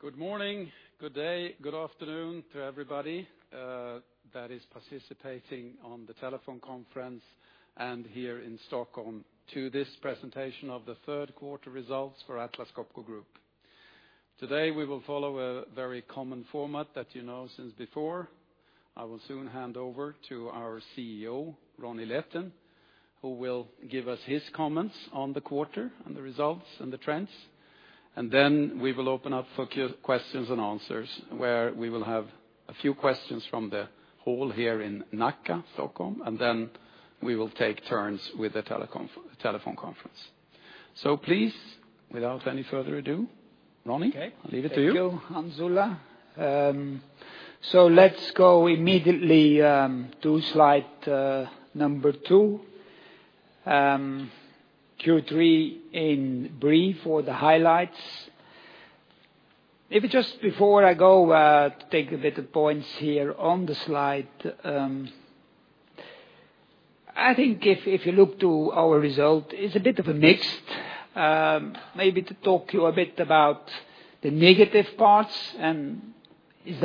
Good morning, good day, good afternoon to everybody that is participating on the telephone conference and here in Stockholm to this presentation of the third quarter results for Atlas Copco Group. Today, we will follow a very common format that you know since before. I will soon hand over to our CEO, Ronnie Leten, who will give us his comments on the quarter, on the results, and the trends. Then we will open up for questions and answers, where we will have a few questions from the hall here in Nacka, Stockholm. Then we will take turns with the telephone conference. Please, without any further ado, Ronnie, I leave it to you. Thank you, Hans Ola. Let's go immediately to slide number two. Q3 in brief or the highlights. Maybe just before I go to take a bit of points here on the slide. If you look to our result, it's a bit of a mix. The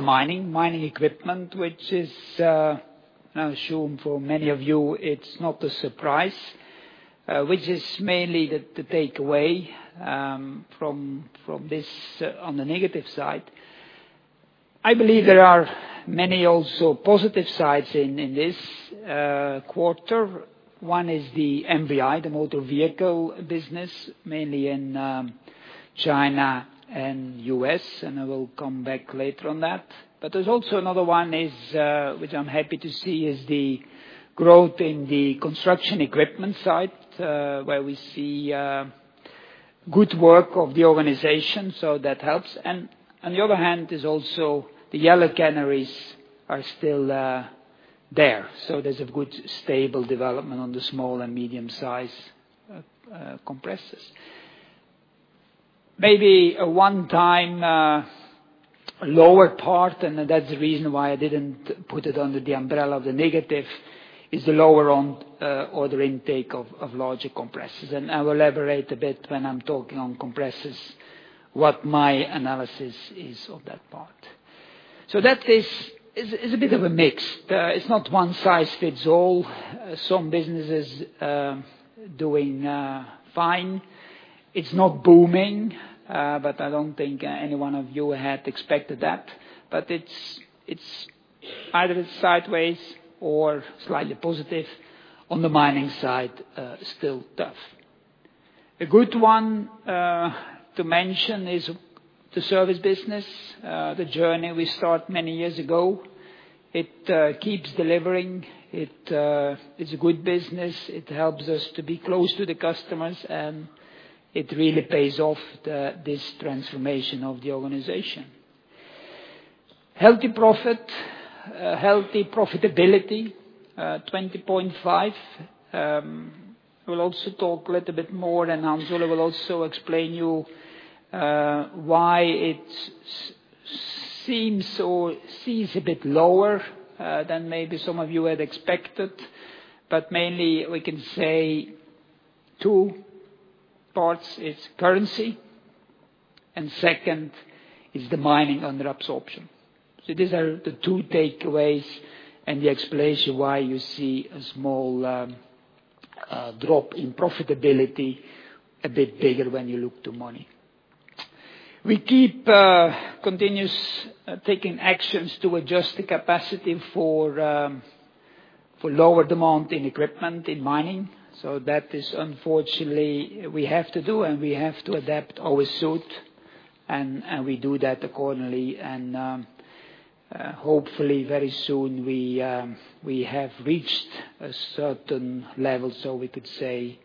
mining equipment, which is I assume for many of you, it's not a surprise, which is mainly the takeaway from this on the negative side. There are many also positive sides in this quarter. One is the MVI, the motor vehicle business, mainly in China and U.S., and I will come back later on that. There's also another one, which I'm happy to see, is the growth in the construction equipment side where we see good work of the organization, so that helps. On the other hand is also the yellow canaries are still there. There's a good, stable development on the small and medium size compressors. Maybe a one-time lower part, and that's the reason why I didn't put it under the umbrella of the negative, is the lower order intake of larger compressors. I will elaborate a bit when I'm talking on compressors, what my analysis is of that part. That is a bit of a mix. It's not one size fits all. Some businesses doing fine. It's not booming, but I don't think any one of you had expected that. It's either sideways or slightly positive. On the mining side, still tough. A good one to mention is the service business, the journey we start many years ago. It keeps delivering. It's a good business. It helps us to be close to the customers, and it really pays off this transformation of the organization. Healthy profit, healthy profitability, 20.5%. We'll also talk a little bit more, and Hans Ola will also explain you why it seems a bit lower than maybe some of you had expected. Mainly we can say two parts: it's currency and second is the mining under absorption. These are the two takeaways and the explanation why you see a small drop in profitability, a bit bigger when you look to mining. We keep continuous taking actions to adjust the capacity for lower demand in equipment in mining. That is unfortunately we have to do, and we have to adapt our suit, and we do that accordingly. Hopefully very soon we have reached a certain level so we could say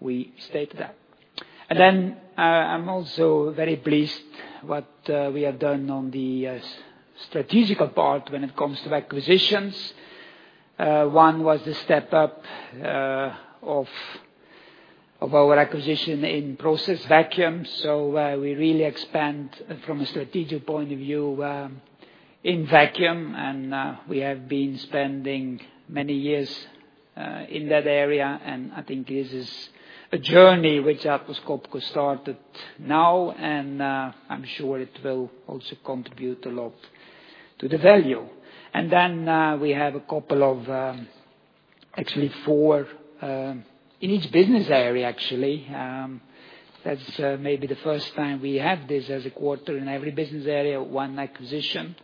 we stabilized that. I am also very pleased what we have done on the strategic part when it comes to acquisitions. One was the step up of our acquisition in process vacuum. We really expand from a strategic point of view in vacuum, and we have been spending many years in that area. I think this is a journey which Atlas Copco started now, and I am sure it will also contribute a lot to the value. We have a couple of actually four in each business area. That is maybe the first time we have this as a quarter in every business area, one acquisition,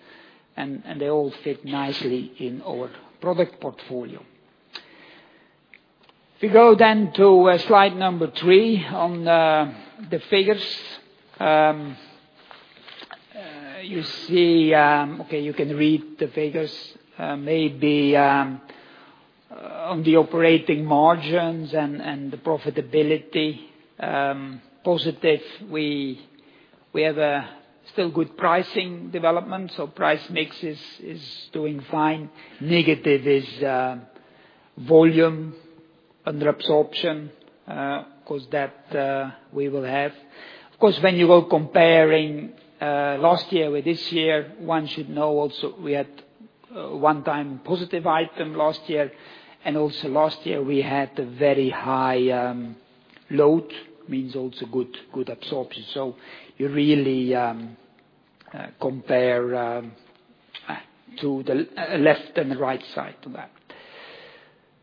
and they all fit nicely in our product portfolio. If you go then to slide number three on the figures. You can read the figures maybe on the operating margins and the profitability. Positive, we have a still good pricing development, so price mix is doing fine. Negative is volume under absorption. Of course, that we will have. Of course, when you are comparing last year with this year, one should know also we had a one-time positive item last year, and also last year we had a very high Load means also good absorption. You really compare to the left and the right side to that.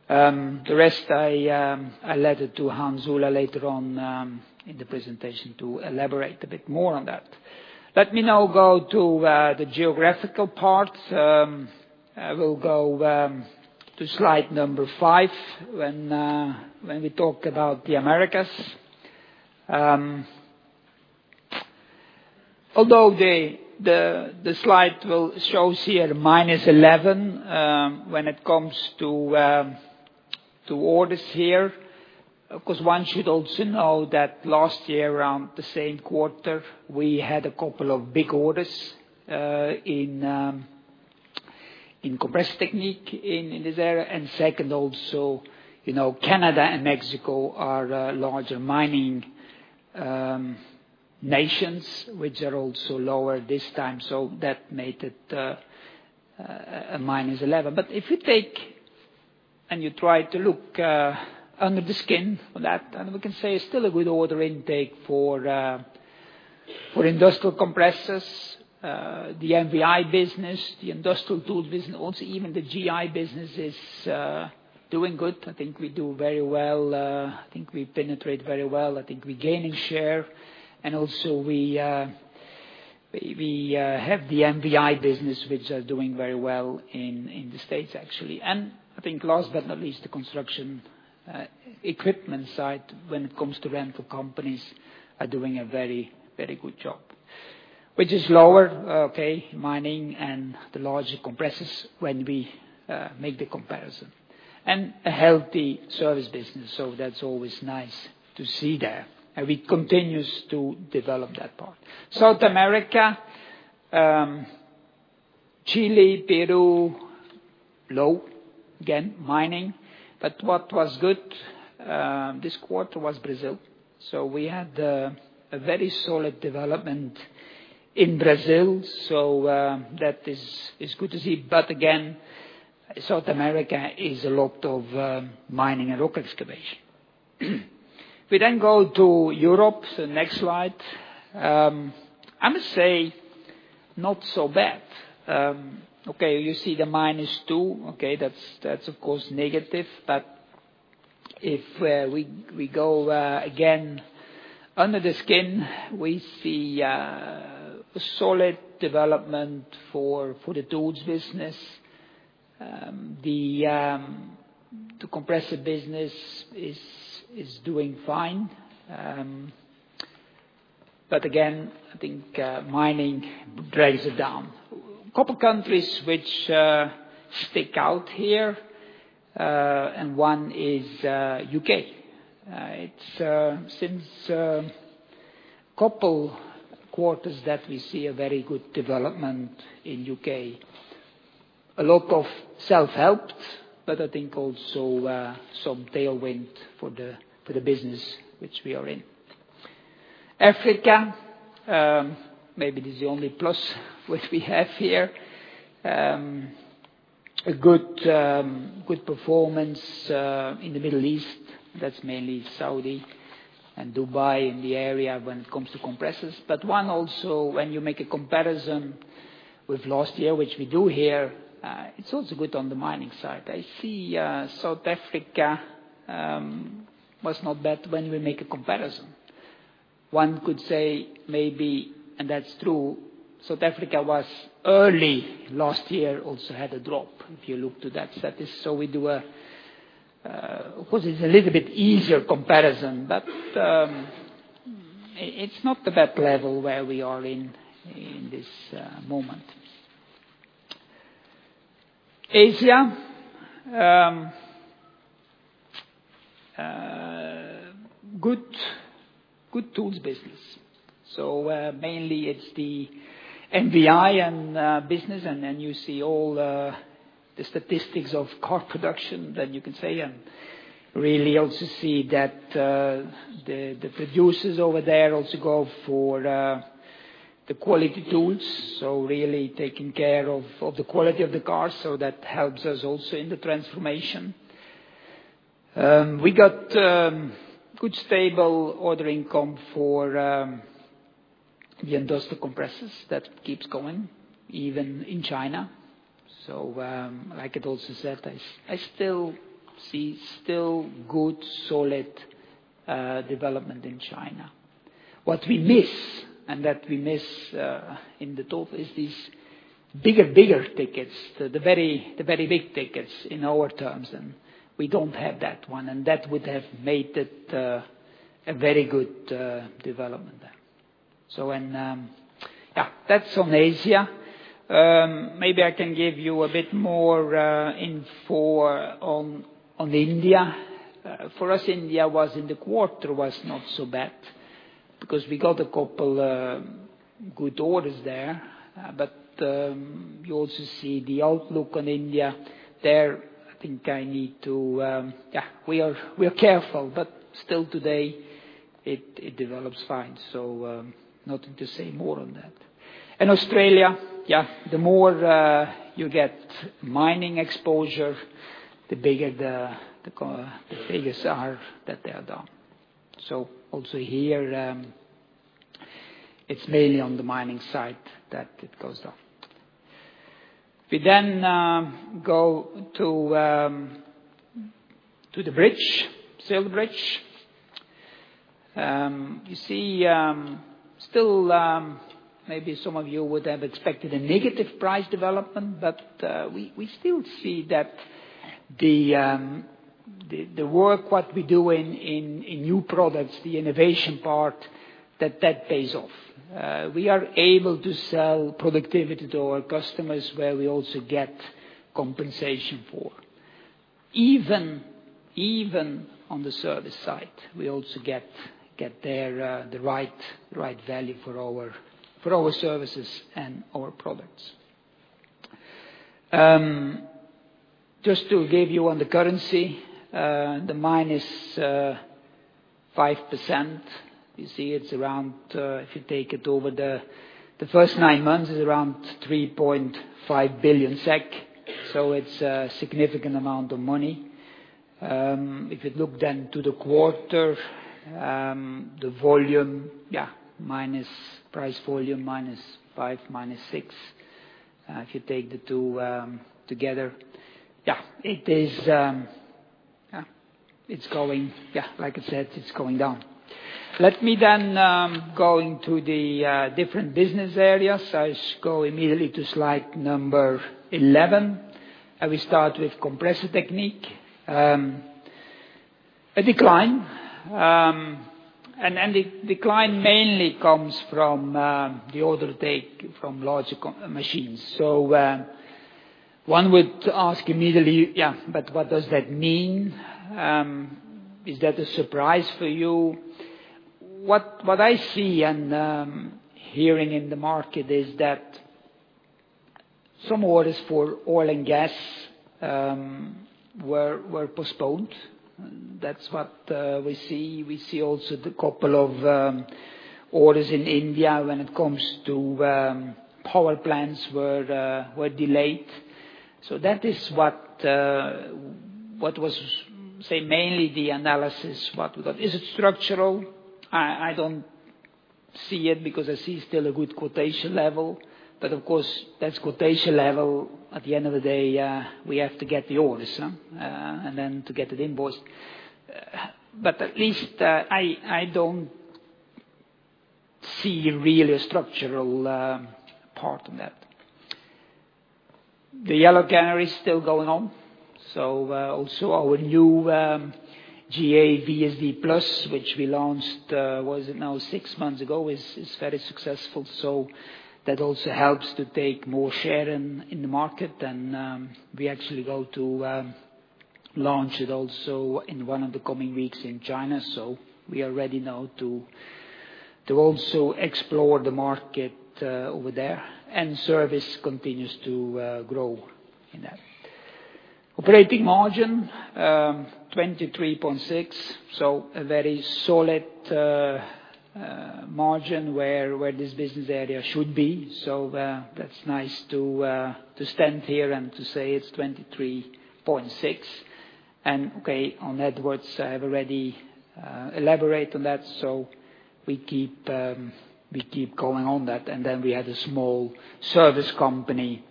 The rest, I left it to Hans Ola later on in the presentation to elaborate a bit more on that. Let me now go to the geographical part. I will go to slide number five, when we talk about the Americas. Although the slide shows here a -11% when it comes to orders here, because one should also know that last year around the same quarter, we had a couple of big orders in Compressor Technique in this area. Second also, Canada and Mexico are larger mining nations, which are also lower this time. That made it a -11%. But if you take and you try to look under the skin on that, then we can say still a good order intake for industrial compressors. The MVI business, the industrial tools business, also even the GI business is doing good. I think we do very well. I think we penetrate very well. I think we are gaining share. Also we have the MVI business, which are doing very well in the U.S., actually. I think last but not least, the construction equipment side, when it comes to rental companies, are doing a very good job. Which is lower, okay, mining and the larger compressors when we make the comparison. A healthy service business, so that is always nice to see there. We continues to develop that part. South America, Chile, Peru, low again, mining. But what was good this quarter was Brazil. We had a very solid development in Brazil. That is good to see. But again, South America is a lot of mining and rock excavation. We then go to Europe, the next slide. I must say, not so bad. Okay, you see the -2%. Okay. That is of course negative. But if we go again under the skin, we see a solid development for the tools business. The compressor business is doing fine. Again, I think mining drags it down. Couple countries which stick out here, and one is U.K. It's since couple quarters that we see a very good development in U.K. A lot of self-helped, but I think also some tailwind for the business which we are in. Africa, maybe this is the only plus which we have here. A good performance in the Middle East. That's mainly Saudi and Dubai in the area when it comes to compressors. One also, when you make a comparison with last year, which we do here, it's also good on the mining side. I see South Africa was not bad when we make a comparison. One could say maybe, and that's true, South Africa was early last year, also had a drop, if you look to that statistic. Of course, it's a little bit easier comparison, but it's not a bad level where we are in this moment. Asia. Good tools business. Mainly it's the MVI business and then you see all the statistics of car production, then you can say and really also see that the producers over there also go for the quality tools. Really taking care of the quality of the cars, that helps us also in the transformation. We got good stable order income for the industrial compressors that keeps going, even in China. Like I'd also said, I still see still good solid development in China. What we miss, and that we miss in the top, is these bigger tickets, the very big tickets in our terms, and we don't have that one, and that would have made it a very good development there. Yeah, that's on Asia. Maybe I can give you a bit more info on India. For us, India in the quarter was not so bad because we got a couple good orders there. You also see the outlook on India there. I think I need to Yeah, we are careful, but still today it develops fine. Nothing to say more on that. In Australia, the more you get mining exposure, the bigger the figures are that they are down. Also here, it's mainly on the mining side that it goes down. We go to the bridge, sales bridge. You see, still maybe some of you would have expected a negative price development, we still see that the work, what we do in new products, the innovation part, that pays off. We are able to sell productivity to our customers where we also get compensation for. Even on the service side, we also get there the right value for our services and our products. Just to give you on the currency, the minus 5%, you see it's around, if you take it over the first nine months, is around 3.5 billion SEK, it's a significant amount of money. If you look to the quarter, the volume, price volume minus five, minus six. If you take the two together, like I said, it's going down. Let me go into the different business areas. I go immediately to slide number 11, we start with Compressor Technique. A decline, the decline mainly comes from the order take from larger machines. One would ask immediately, what does that mean? Is that a surprise for you? What I see and hearing in the market is that some orders for oil and gas were postponed. That's what we see. We see also the couple of orders in India when it comes to power plants were delayed. That is what was, say, mainly the analysis we got. Is it structural? I don't see it because I see still a good quotation level. Of course, that's quotation level. At the end of the day, we have to get the orders, and then to get it invoiced. At least, I don't see really a structural part in that. The yellow canary is still going on. Also our new GA VSD+, which we launched, what is it now, six months ago, is very successful. That also helps to take more share in the market. We actually go to launch it also in one of the coming weeks in China. We are ready now to also explore the market over there. Service continues to grow in that. Operating margin 23.6%. A very solid margin where this business area should be. That's nice to stand here and to say it's 23.6%. Okay, on Edwards, I've already elaborated on that. We keep going on that. We had a small service company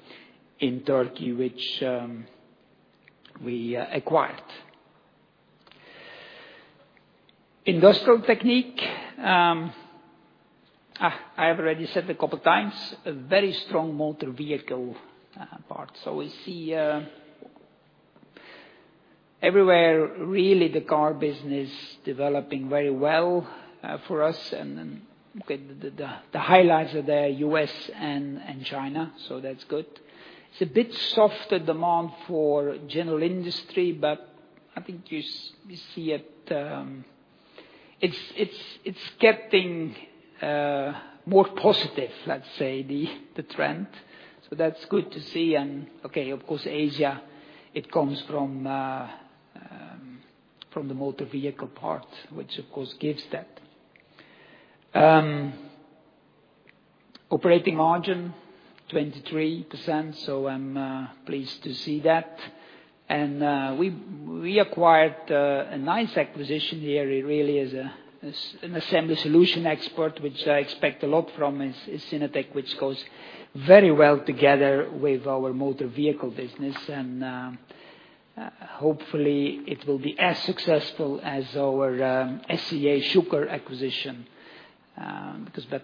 in Turkey which we acquired. Industrial Technique. I have already said a couple times, a very strong motor vehicle part. We see everywhere really the car business developing very well for us. The highlights are the U.S. and China. That's good. It's a bit softer demand for General Industry, but I think you see it's getting more positive, let's say, the trend. That's good to see. Okay, of course, Asia, it comes from the motor vehicle part, which of course gives that. Operating margin 23%. I'm pleased to see that. We acquired a nice acquisition here really as an assembly solution expert, which I expect a lot from is Synatec, which goes very well together with our motor vehicle business. Hopefully it will be as successful as our SCA Schucker acquisition.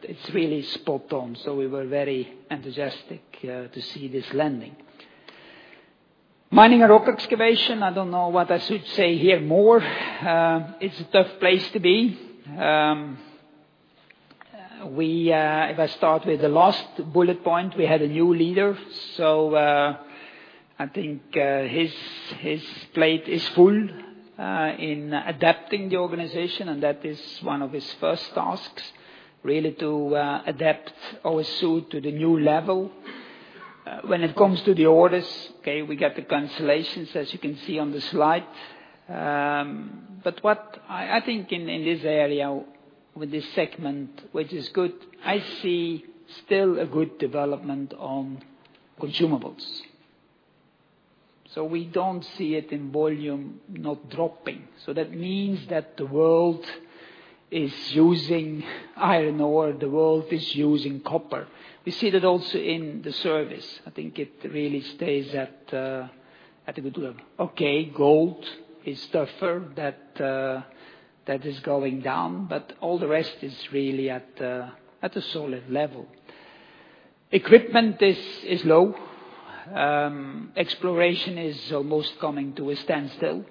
It's really spot on. We were very enthusiastic to see this landing. Mining and Rock Excavation. I don't know what I should say here more. It's a tough place to be. If I start with the last bullet point, we had a new leader. I think his plate is full in adapting the organization, and that is one of his first tasks, really to adapt our suit to the new level. When it comes to the orders, we get the cancellations, as you can see on the slide. What I think in this area with this segment, which is good, I see still a good development on consumables. We don't see it in volume not dropping. That means that the world is using iron ore, the world is using copper. We see that also in the service. I think it really stays at a good level. Okay, gold is tougher. That is going down, but all the rest is really at a solid level. Equipment is low. Exploration is almost coming to a standstill,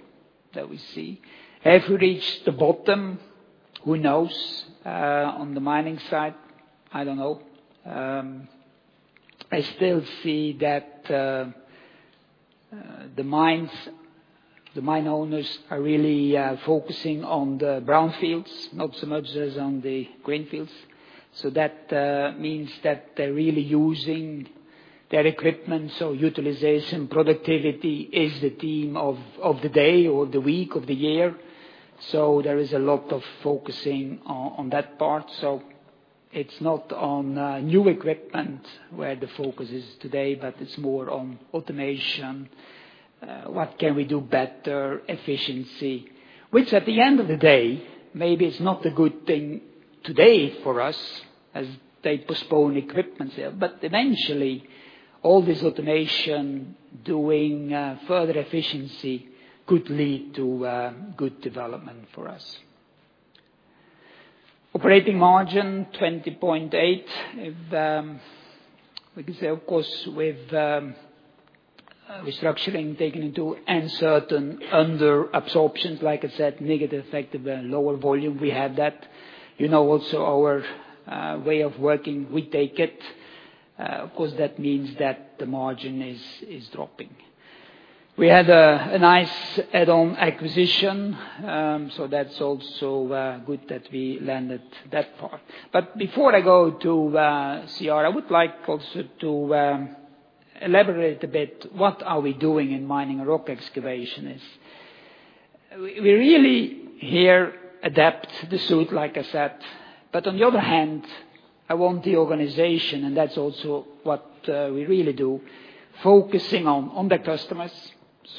that we see. Have we reached the bottom? Who knows? On the mining side, I don't know. I still see that the mine owners are really focusing on the brownfields, not so much as on the greenfields. That means that they're really using their equipment. Utilization, productivity is the theme of the day or the week, or the year. There is a lot of focusing on that part. It's not on new equipment where the focus is today, but it's more on automation. What can we do better? Efficiency. Which at the end of the day, maybe is not a good thing today for us as they postpone equipment sale, but eventually all this automation doing further efficiency could lead to good development for us. Operating margin 20.8%. We can say, of course, with restructuring taken into uncertain under absorptions, like I said, negative effect of the lower volume, we had that. You know also our way of working. We take it. Of course, that means that the margin is dropping. We had a nice add-on acquisition, that's also good that we landed that part. Before I go to CR, I would like also to elaborate a bit, what are we doing in Mining and Rock Excavation Technique. We really here adapt the suit, like I said. On the other hand, I want the organization, and that's also what we really do, focusing on the customers.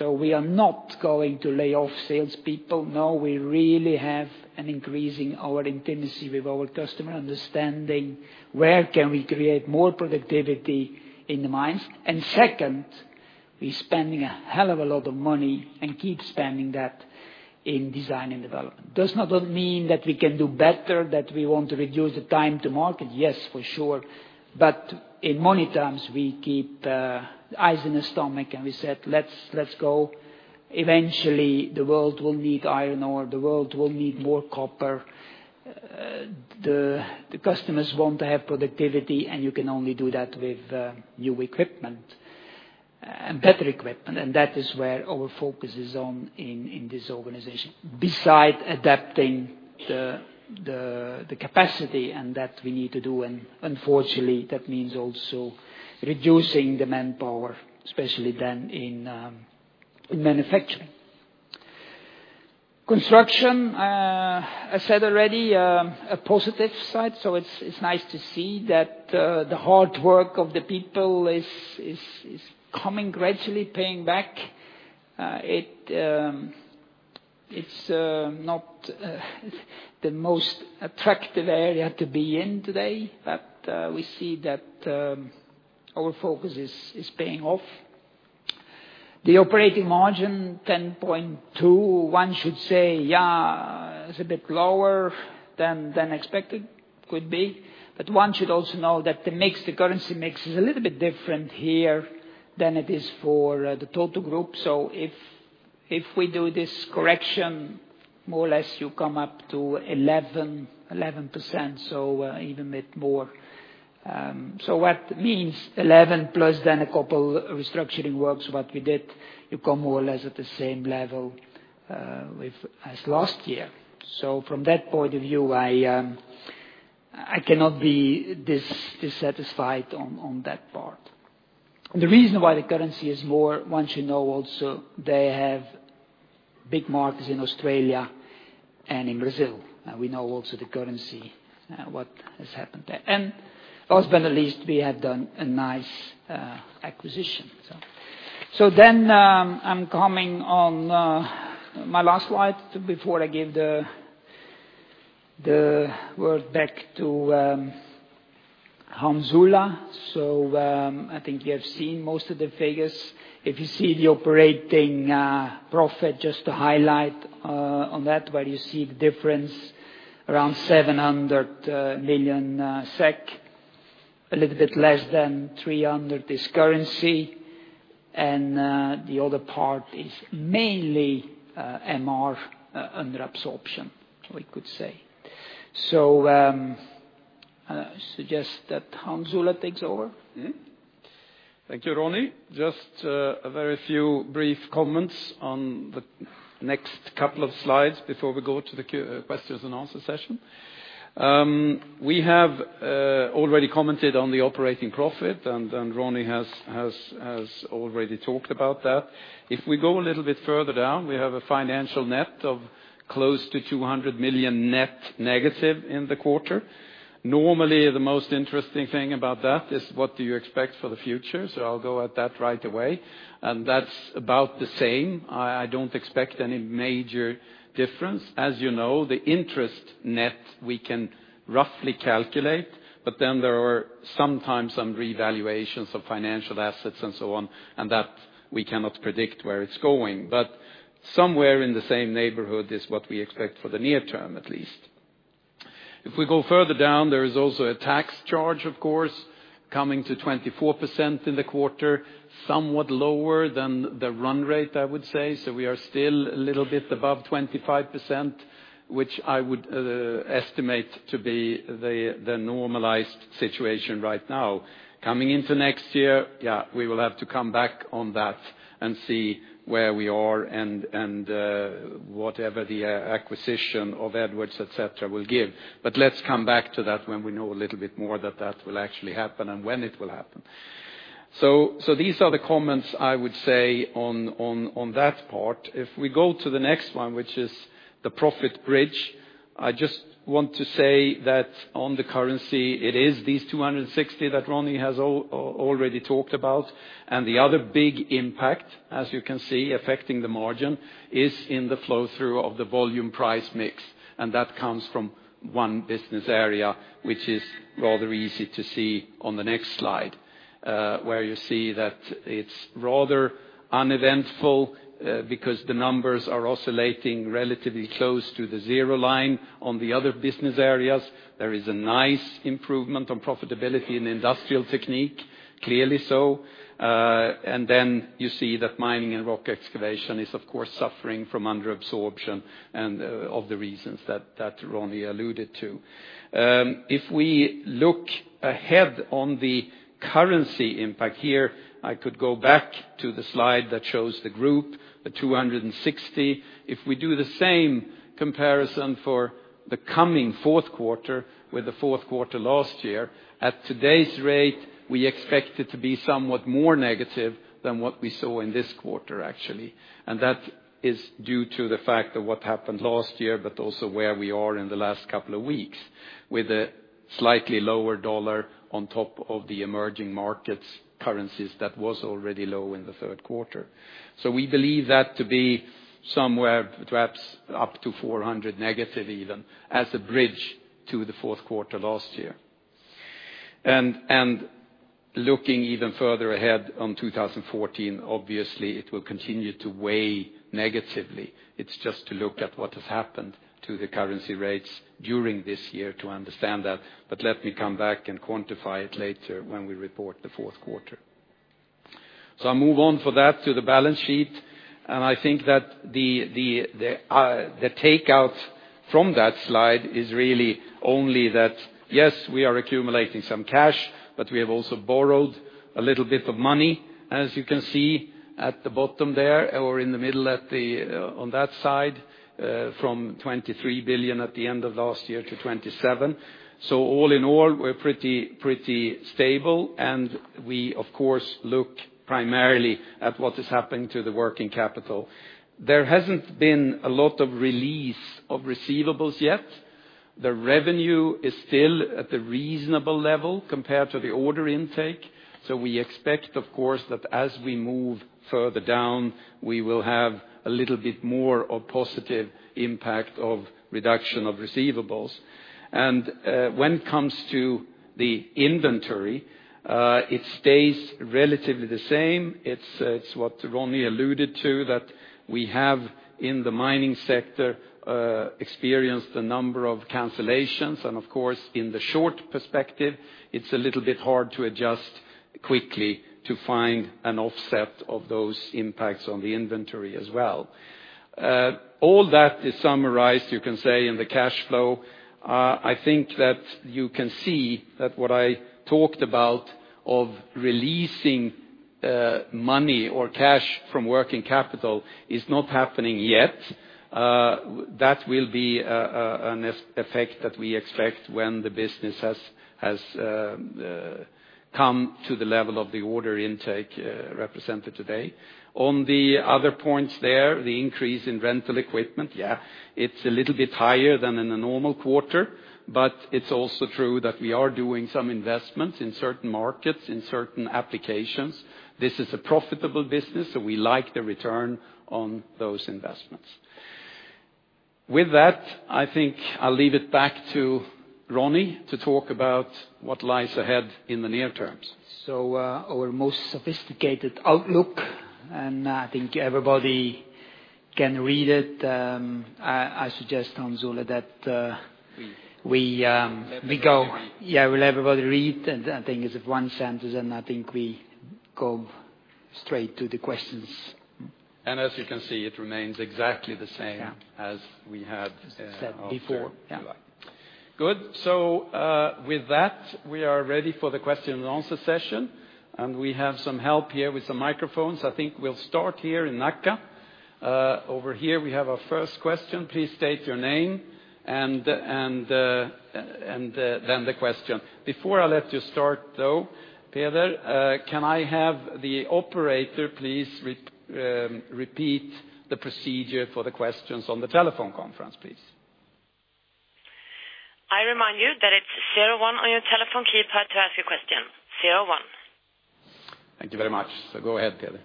We are not going to lay off salespeople. No, we really have an increasing our intimacy with our customer, understanding where can we create more productivity in the mines. Second, we're spending a hell of a lot of money and keep spending that in design and development. Does not mean that we can do better, that we want to reduce the time to market. Yes, for sure. In money terms, we keep eyes in the stomach and we said, "Let's go." Eventually, the world will need iron ore, the world will need more copper. The customers want to have productivity, and you can only do that with new equipment and better equipment. That is where our focus is on in this organization, beside adapting the capacity and that we need to do, unfortunately, that means also reducing the manpower, especially then in manufacturing. Construction, I said already, a positive side. It's nice to see that the hard work of the people is coming gradually paying back. It's not the most attractive area to be in today, but we see that our focus is paying off. The operating margin, 10.2%. One should say, yeah, it's a bit lower than expected could be. One should also know that the currency mix is a little bit different here than it is for the total group. If we do this correction, more or less you come up to 11%, even bit more. What means 11 plus then a couple restructuring works, what we did, you come more or less at the same level as last year. From that point of view, I cannot be dissatisfied on that part. The reason why the currency is more, one should know also they have big markets in Australia and in Brazil. We know also the currency, what has happened there. Last but not least, we have done a nice acquisition. Then, I'm coming on my last slide before I give the word back to Hans Ola. I think you have seen most of the figures. If you see the operating profit, just to highlight on that, where you see the difference around 700 million SEK. A little bit less than 300 is currency, the other part is mainly MR under absorption, we could say. I suggest that Hans Ola takes over. Thank you, Ronnie. Just a very few brief comments on the next couple of slides before we go to the questions and answer session. We have already commented on the operating profit, and Ronnie has already talked about that. If we go a little bit further down, we have a financial net of close to 200 million net negative in the quarter. Normally, the most interesting thing about that is what do you expect for the future? I'll go at that right away. That's about the same. I don't expect any major difference. As you know, the interest net, we can roughly calculate, there are sometimes some revaluations of financial assets and so on, and that we cannot predict where it's going. Somewhere in the same neighborhood is what we expect for the near term, at least. If we go further down, there is also a tax charge, of course, coming to 24% in the quarter, somewhat lower than the run rate, I would say. We are still a little bit above 25%, which I would estimate to be the normalized situation right now. Coming into next year, we will have to come back on that and see where we are and whatever the acquisition of Edwards, et cetera, will give. Let's come back to that when we know a little bit more that will actually happen and when it will happen. These are the comments I would say on that part. If we go to the next one, which is the profit bridge, I just want to say that on the currency, it is these 260 that Ronnie has already talked about, the other big impact, as you can see, affecting the margin, is in the flow-through of the volume price mix, and that comes from one business area, which is rather easy to see on the next slide. Where you see that it's rather uneventful because the numbers are oscillating relatively close to the zero line. On the other business areas, there is a nice improvement on profitability in the Industrial Technique, clearly so. You see that Mining and Rock Excavation is, of course, suffering from under absorption and of the reasons that Ronnie alluded to. If we look ahead on the currency impact here, I could go back to the slide that shows the group, the 260. If we do the same comparison for the coming fourth quarter with the fourth quarter last year, at today's rate, we expect it to be somewhat more negative than what we saw in this quarter, actually. That is due to the fact of what happened last year, also where we are in the last couple of weeks with a slightly lower dollar on top of the emerging markets currencies that was already low in the third quarter. We believe that to be somewhere perhaps up to 400 negative even as a bridge to the fourth quarter last year. Looking even further ahead on 2014, obviously, it will continue to weigh negatively. It's just to look at what has happened to the currency rates during this year to understand that. Let me come back and quantify it later when we report the fourth quarter. I move on for that to the balance sheet, I think that the takeout from that slide is really only that, yes, we are accumulating some cash, we have also borrowed a little bit of money, as you can see at the bottom there or in the middle on that side, from 23 billion at the end of last year to 27 billion. All in all, we're pretty stable and we, of course, look primarily at what is happening to the working capital. There hasn't been a lot of release of receivables yet. The revenue is still at the reasonable level compared to the order intake. We expect, of course, that as we move further down, we will have a little bit more of positive impact of reduction of receivables. When it comes to the inventory, it stays relatively the same. It's what Ronnie alluded to, that we have, in the mining sector, experienced a number of cancellations. Of course, in the short perspective, it's a little bit hard to adjust quickly to find an offset of those impacts on the inventory as well. All that is summarized, you can say, in the cash flow. I think that you can see that what I talked about of releasing money or cash from working capital is not happening yet. That will be an effect that we expect when the business has come to the level of the order intake represented today. On the other points there, the increase in rental equipment. It's a little bit higher than in a normal quarter, it's also true that we are doing some investments in certain markets, in certain applications. This is a profitable business, we like the return on those investments. With that, I think I'll leave it back to Ronnie to talk about what lies ahead in the near terms. Our most sophisticated outlook, and I think everybody can read it. I suggest, Hans Ola. Let everybody read. Will everybody read. I think it's one sentence, and I think we go straight to the questions. As you can see, it remains exactly the same. Said before, yeah. Good. With that, we are ready for the question and answer session, and we have some help here with some microphones. I think we'll start here in Nacka. Over here we have our first question. Please state your name and then the question. Before I let you start, though, Peder, can I have the operator please repeat the procedure for the questions on the telephone conference, please? I remind you that it's zero one on your telephone keypad to ask your question. Zero one. Thank you very much. Go ahead, Peder.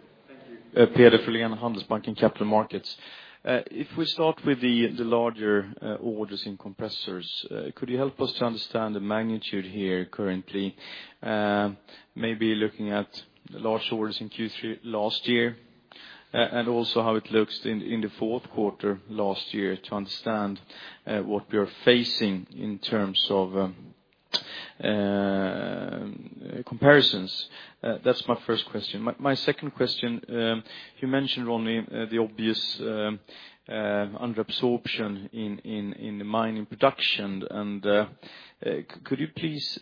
Thank you. Peder Frölén, Handelsbanken Capital Markets. If we start with the larger orders in compressors, could you help us to understand the magnitude here currently? Maybe looking at the large orders in Q3 last year, and also how it looks in the fourth quarter last year to understand what we are facing in terms of comparisons. That's my first question. My second question, you mentioned, Ronnie, the obvious under absorption in the mining production. Could you please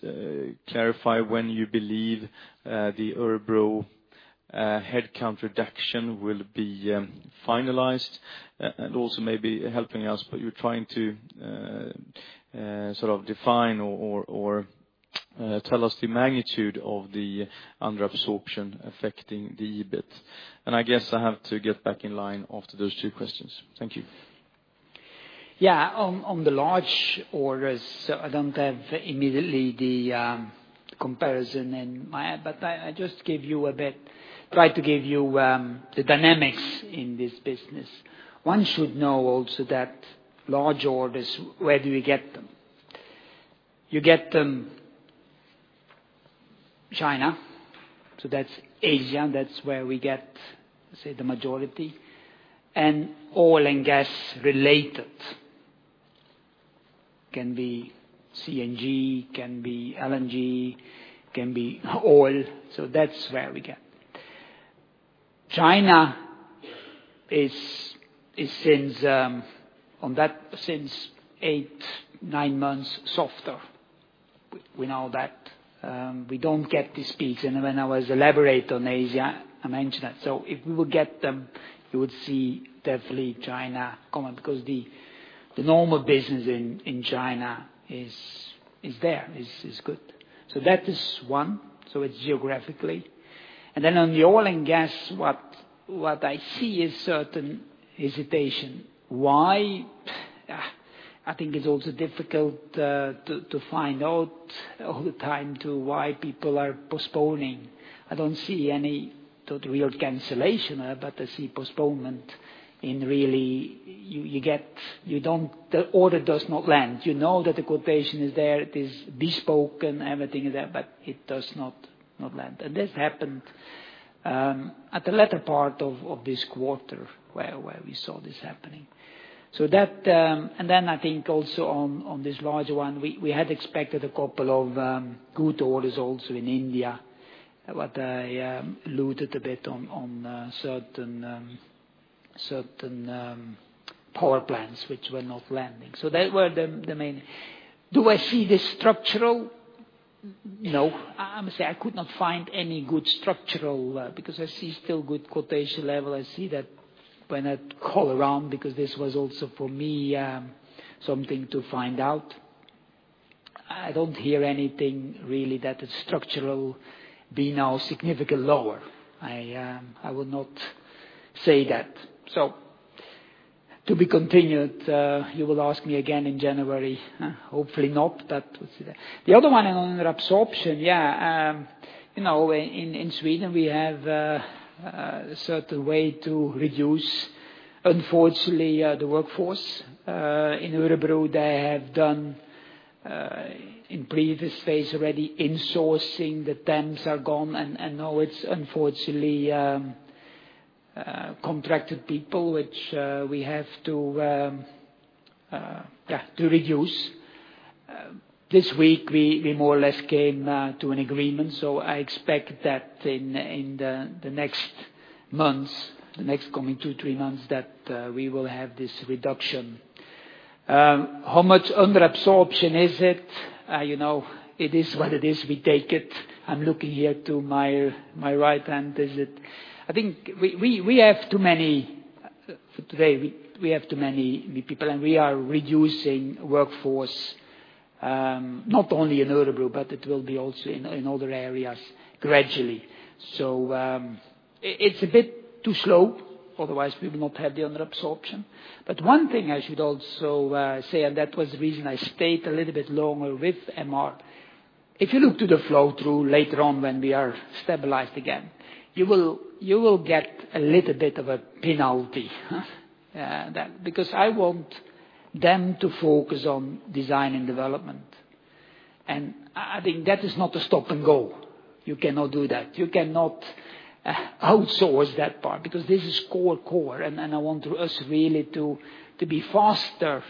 clarify when you believe the Örebro headcount reduction will be finalized? Also maybe helping us, but you're trying to sort of define or tell us the magnitude of the under absorption affecting the EBIT. I guess I have to get back in line after those two questions. Thank you. On the large orders, I don't have immediately the comparison. I just give you a bit, try to give you the dynamics in this business. One should know large orders, where do we get them? You get them China, so that's Asia. That's where we get, say, the majority. Oil and gas related. Can be CNG, can be LNG, can be oil. That's where we get. China is since eight, nine months softer. We know that. We don't get the speeds. When I was elaborate on Asia, I mentioned that. If we would get them, you would see definitely China come up, because the normal business in China is there. It's good. That is one, it's geographically. On the oil and gas, what I see is certain hesitation. Why? I think it's also difficult to find out all the time to why people are postponing. I don't see any real cancellation. I see postponement in really, the order does not land. You know that the quotation is there, it is bespoke, and everything is there. It does not land. This happened at the latter part of this quarter where we saw this happening. I think also on this large one, we had expected a couple of good orders also in India, what I alluded a bit on certain power plants which were not landing. That were the main. Do I see this structural? No. I must say I could not find any good structural. I see still good quotation level. I see that when I call around. This was also for me something to find out. I don't hear anything really that is structural being now significant lower. I will not say that. To be continued, you will ask me again in January. Hopefully not, that we'll see. The other one on under absorption. In Sweden, we have a certain way to reduce, unfortunately, the workforce. In Örebro, they have done in previous phase already insourcing. The temps are gone. Now it's unfortunately contracted people which we have to reduce. This week, we more or less came to an agreement. I expect that in the next months, the next coming two, three months, that we will have this reduction. How much under absorption is it? It is what it is. We take it. I'm looking here to my right hand. I think for today, we have too many people, and we are reducing workforce, not only in Örebro, but it will be also in other areas gradually. It's a bit too slow, otherwise we will not have the under absorption. One thing I should also say, and that was the reason I stayed a little bit longer with MR. If you look to the flow-through later on when we are stabilized again, you will get a little bit of a penalty. Because I want them to focus on design and development. I think that is not a stop and go. You cannot do that. You cannot outsource that part, because this is core, and I want us really to be faster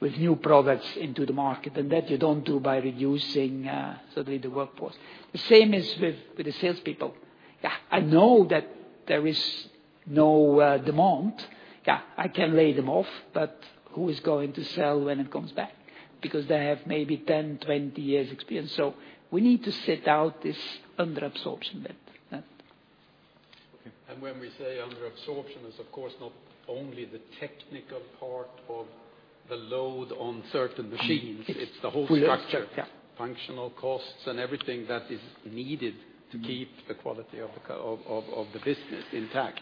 with new products into the market, and that you don't do by reducing certainly the workforce. The same is with the salespeople. Yeah, I know that there is no demand. I can lay them off, but who is going to sell when it comes back? Because they have maybe 10, 20 years experience. We need to sit out this under absorption bit. Okay. When we say under absorption, it's of course not only the technical part of the load on certain machines, it's the whole structure. Yes. Functional costs and everything that is needed to keep the quality of the business intact.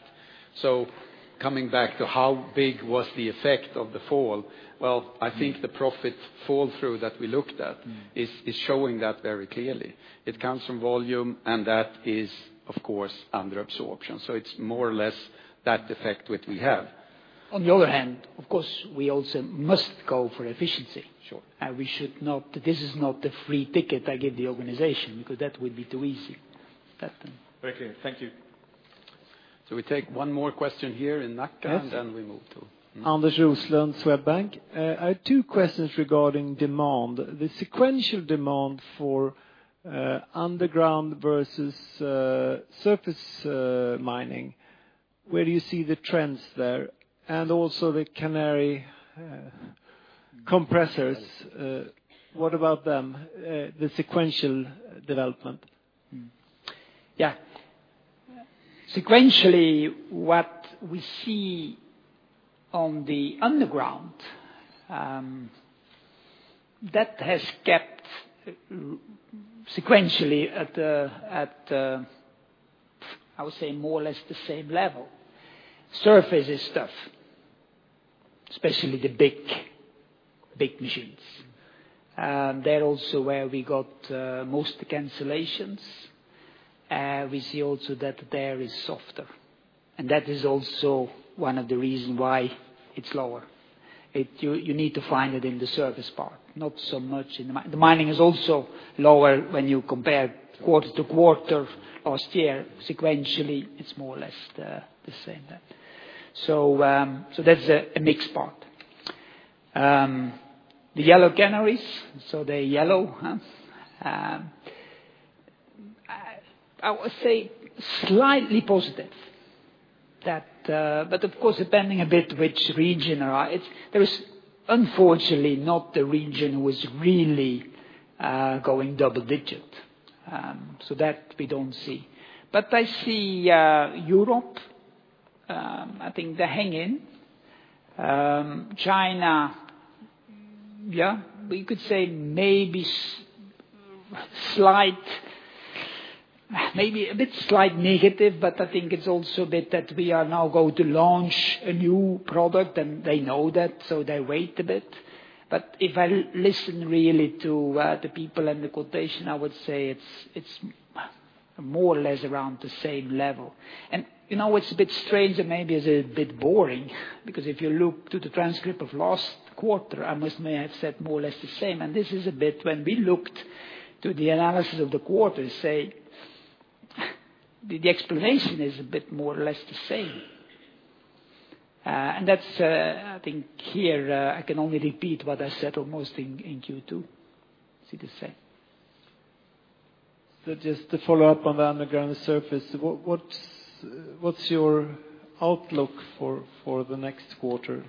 Coming back to how big was the effect of the fall? Well, I think the profit fall through that we looked at is showing that very clearly. It comes from volume, and that is, of course, under absorption. It's more or less that effect what we have. On the other hand, of course, we also must go for efficiency. Sure. This is not a free ticket I give the organization, because that would be too easy. Very clear. Thank you. We take one more question here in Nacka and then we move to. Anders Roslund, Swedbank. I have two questions regarding demand. The sequential demand for underground versus surface mining. Where do you see the trends there? Also the canary compressors, what about them, the sequential development? Sequentially, what we see on the underground, that has kept sequentially at, I would say more or less the same level. Surface is tough, especially the big machines. There also where we got most cancellations. We see also that there is softer. That is also one of the reason why it's lower. You need to find it in the surface part, not so much in the mining. The mining is also lower when you compare quarter-to-quarter or sequentially, it's more or less the same there. That's a mixed part. The yellow canaries, they're yellow. I would say slightly positive. Of course, depending a bit which region. There is unfortunately not the region who is really going double digit. That we don't see. I see Europe, I think they hang in. China, we could say maybe a bit slight negative, but I think it's also a bit that we are now going to launch a new product and they know that, they wait a bit. If I listen really to the people and the quotation, I would say it's more or less around the same level. It's a bit strange and maybe it's a bit boring, because if you look to the transcript of last quarter, I must may have said more or less the same. This is a bit when we looked to the analysis of the quarter, say, the explanation is a bit more or less the same. That's, I think here I can only repeat what I said almost in Q2. It's the same. Just to follow up on the underground and surface, what's your outlook for the next quarter?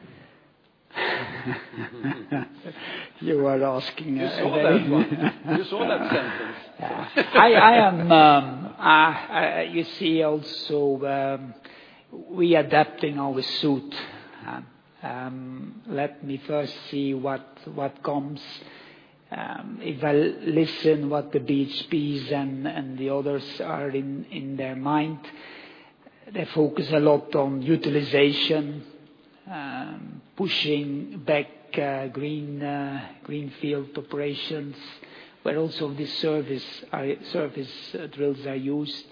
You are asking You saw that one. You saw that sentence. You see also, we adapting our suit. Let me first see what comes. If I listen what the BHPs and the others are in their mind, they focus a lot on utilization, pushing back greenfield operations, where also these service drills are used.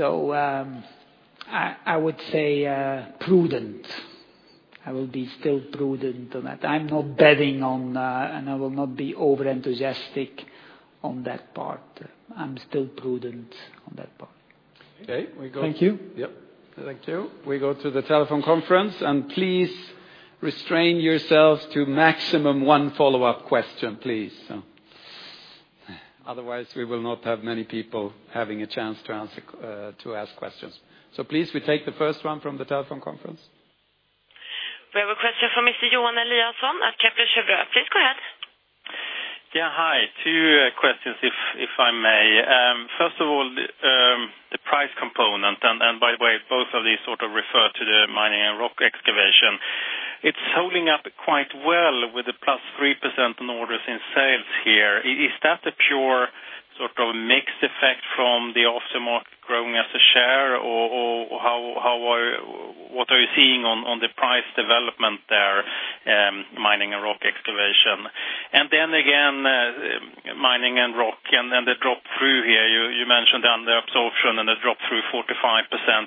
I would say prudent. I will be still prudent on that. I am not betting on, and I will not be over-enthusiastic on that part. I am still prudent on that part. Okay. Thank you. Yep. Thank you. We go to the telephone conference. Please restrain yourselves to maximum one follow-up question, please. Otherwise, we will not have many people having a chance to ask questions. Please, we take the first one from the telephone conference. We have a question from Mr. Johan Eliason at Kepler Cheuvreux. Please go ahead. Yeah, hi. Two questions, if I may. First of all, the price component. By the way, both of these sort of refer to the Mining and Rock Excavation. It's holding up quite well with the +3% on orders in sales here. Is that a pure sort of mixed effect from the aftermarket growing as a share, or what are you seeing on the price development there, Mining and Rock Excavation? Then again, Mining and Rock, and then the drop through here, you mentioned under absorption and the drop through 45%.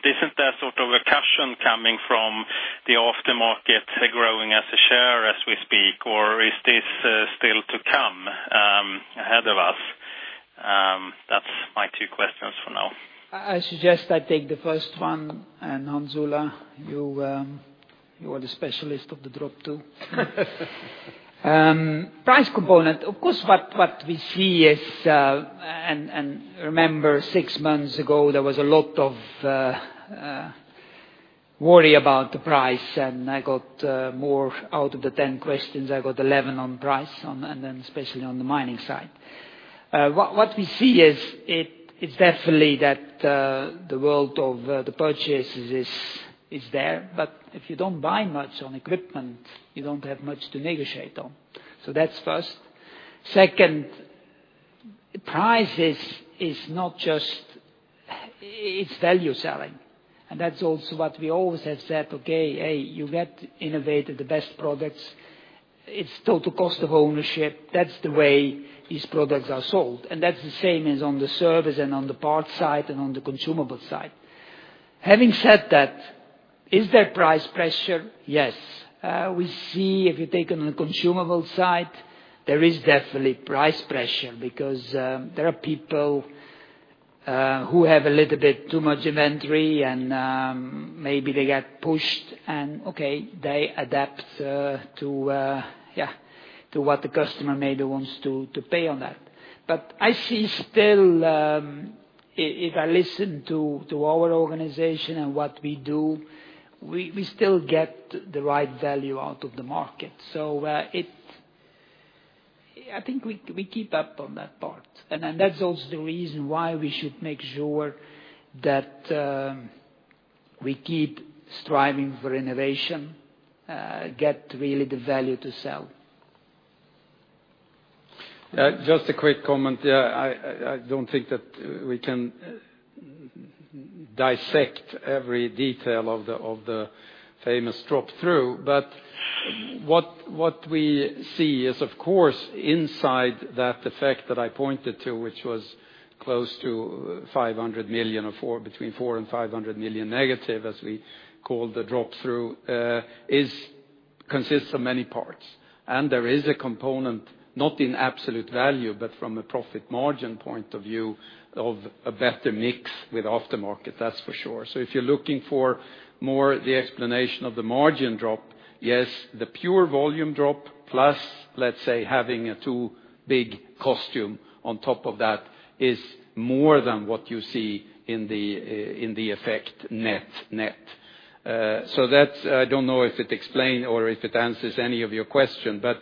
Isn't that sort of a cushion coming from the aftermarket growing as a share as we speak? Or is this still to come ahead of us? That's my two questions for now. I suggest I take the first one. Hans Ola, you are the specialist of the drop through. Price component, of course, what we see is. Remember six months ago there was a lot of worry about the price, and out of the 10 questions, I got 11 on price, then especially on the Mining side. What we see is it's definitely that the world of the purchases is there, but if you don't buy much on equipment, you don't have much to negotiate on. That's first. Second, price is not just. It's value selling. That's also what we always have said, okay, hey, you get innovative, the best products. It's total cost of ownership. That's the way these products are sold. That's the same as on the service and on the parts side and on the consumable side. Having said that, is there price pressure? Yes. We see if you take it on the consumable side, there is definitely price pressure because there are people who have a little bit too much inventory and maybe they get pushed and okay, they adapt to what the customer maybe wants to pay on that. I see still, if I listen to our organization and what we do, we still get the right value out of the market. I think we keep up on that part. That's also the reason why we should make sure that we keep striving for innovation, get really the value to sell. Just a quick comment. I don't think that we can dissect every detail of the famous drop through, what we see is, of course, inside that effect that I pointed to, which was close to 500 million, or between 400 million-500 million negative, as we call the drop-through, consists of many parts. There is a component, not in absolute value, but from a profit margin point of view, of a better mix with aftermarket, that's for sure. If you're looking for more the explanation of the margin drop, yes, the pure volume drop plus, let's say, having a too big costume on top of that is more than what you see in the effect net. I don't know if it explain or if it answers any of your question, but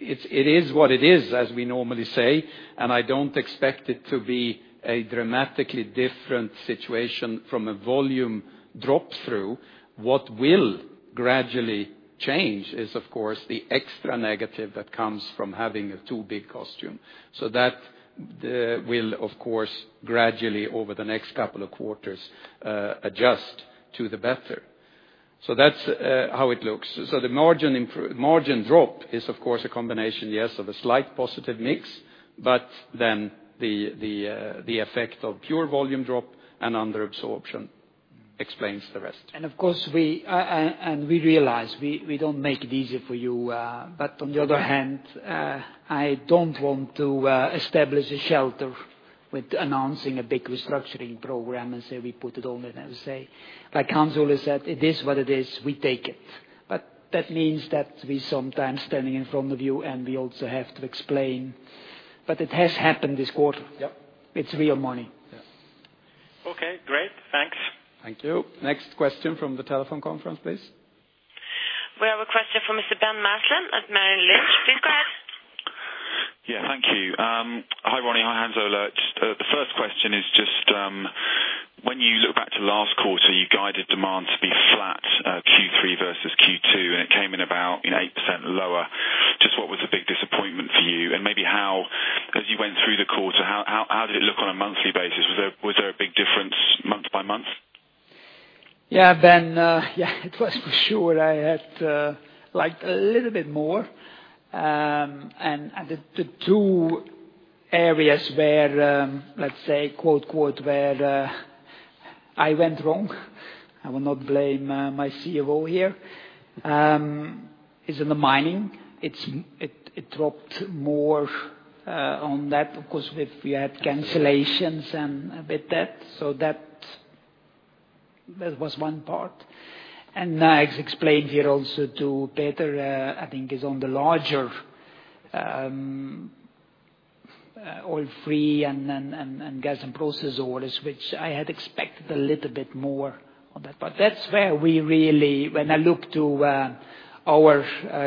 it is what it is, as we normally say. I don't expect it to be a dramatically different situation from a volume drop through. What will gradually change is, of course, the extra negative that comes from having a too big costume. That will, of course, gradually over the next couple of quarters adjust to the better. That's how it looks. The margin drop is, of course, a combination, yes, of a slight positive mix, then the effect of pure volume drop and under absorption explains the rest. Of course, we realize we don't make it easy for you. On the other hand, I don't want to establish a shelter with announcing a big restructuring program and say we put it on it and say Like Hans Ola said, it is what it is. We take it. That means that we're sometimes standing in front of you, and we also have to explain. It has happened this quarter. Yep. It's real money. Yeah. Okay, great. Thanks. Thank you. Next question from the telephone conference, please. We have a question from Mr. Ben Maslen at Merrill Lynch. Please go ahead. Yeah, thank you. Hi, Ronnie. Hi, Hans Ola. The first question is just when you look back to last quarter, you guided demand to be flat Q3 versus Q2, and it came in about 8% lower. What was the big disappointment for you? Maybe as you went through the quarter, how did it look on a monthly basis? Was there a big difference month by month? Yeah, Ben. Yeah, it was for sure. I had liked a little bit more. The two areas where, let's say, quote unquote, "where I went wrong," I will not blame my CFO here, is in the mining. It dropped more on that, of course, we had cancellations and a bit that was one part. I explained here also to Peder, I think is on the larger oil-free and gas and process orders, which I had expected a little bit more on that. That's where we really, when I look to our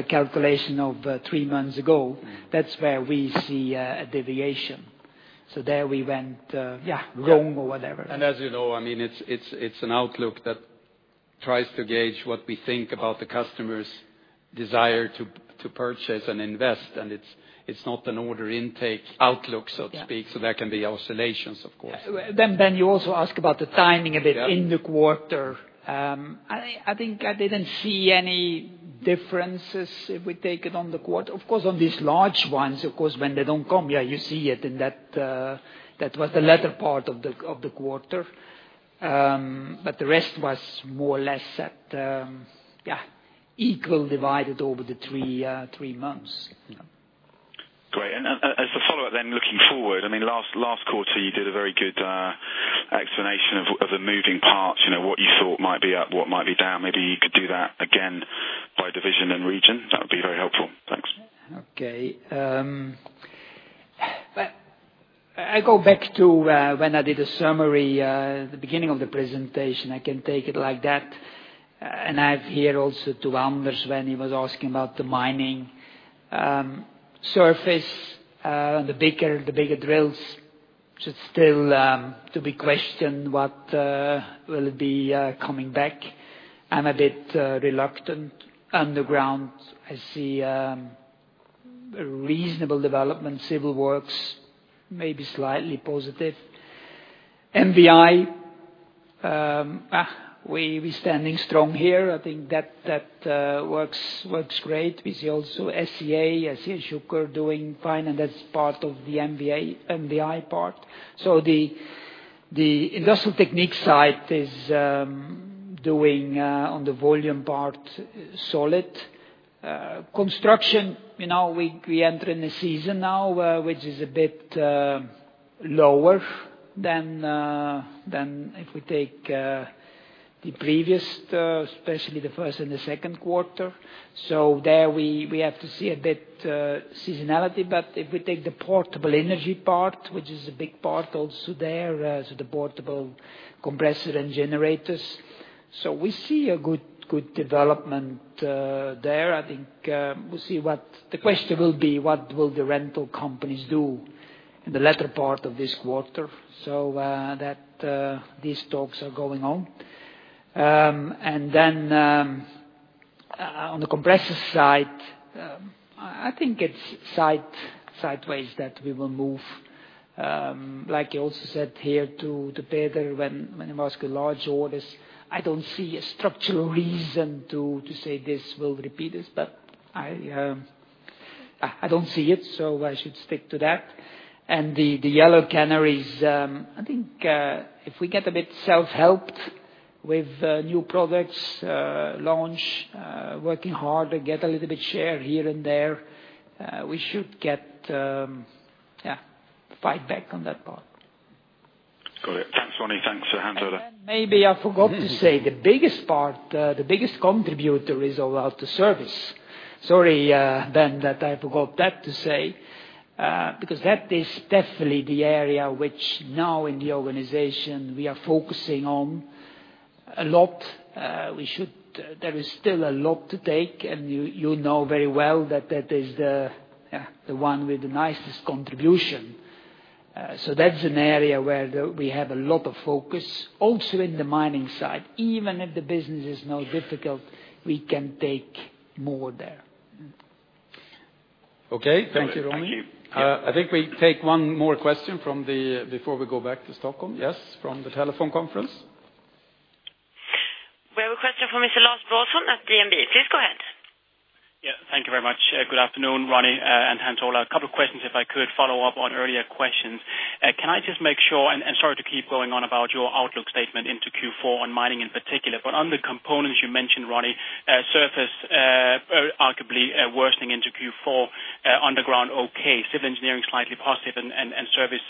calculation of three months ago, that's where we see a deviation. There we went wrong or whatever. As you know, it's an outlook that tries to gauge what we think about the customer's desire to purchase and invest, and it's not an order intake outlook, so to speak. Yeah. There can be oscillations, of course. Ben, you also ask about the timing a bit in the quarter. I think I didn't see any differences if we take it on the quarter. Of course, on these large ones, of course, when they don't come, yeah, you see it in that was the latter part of the quarter. The rest was more or less at equal divided over the three months. As a follow-up then looking forward, last quarter you did a very good explanation of the moving parts, what you thought might be up, what might be down. Maybe you could do that again by division and region. That would be very helpful. Thanks. Okay. I go back to when I did a summary at the beginning of the presentation. I have here also to Anders when he was asking about the mining surface, the bigger drills should still to be questioned, what will be coming back. I'm a bit reluctant underground. I see a reasonable development, civil works may be slightly positive. MVI, we're standing strong here. I think that works great. We see also SCA Schucker doing fine, and that's part of the MVI part. The Industrial Technique side is doing on the volume part, solid. Construction, we enter in a season now, which is a bit lower than if we take the previous, especially the first and the second quarter. There we have to see a bit seasonality. If we take the portable energy part, which is a big part also there, the portable compressor and generators. We see a good development there. I think we'll see what the question will be, what will the rental companies do in the latter part of this quarter? That these talks are going on. On the compressor side, I think it's sideways that we will move. Like you also said here to Peder when he was asking large orders, I don't see a structural reason to say this will repeat this, but I don't see it, so I should stick to that. The Yellow Canaries, I think if we get a bit self-helped with new products launch, working harder, get a little bit share here and there, we should get fight back on that part. Got it. Thanks, Ronnie. Thanks, Hans Ola. Maybe I forgot to say, the biggest part, the biggest contributor is all about the service. Sorry, Ben, that I forgot that to say because that is definitely the area which now in the organization we are focusing on a lot. There is still a lot to take, and you know very well that that is the one with the nicest contribution. That's an area where we have a lot of focus also in the mining side. Even if the business is now difficult, we can take more there. Okay. Thank you, Ronnie. I think we take one more question before we go back to Stockholm. Yes, from the telephone conference. We have a question from Mr. Lars Brorson at DNB. Please go ahead. Thank you very much. Good afternoon, Ronnie and Hans Ola. A couple of questions, if I could follow up on earlier questions. Can I just make sure, sorry to keep going on about your outlook statement into Q4 on mining in particular. On the components you mentioned, Ronnie, surface arguably worsening into Q4, underground okay, civil engineering slightly positive and service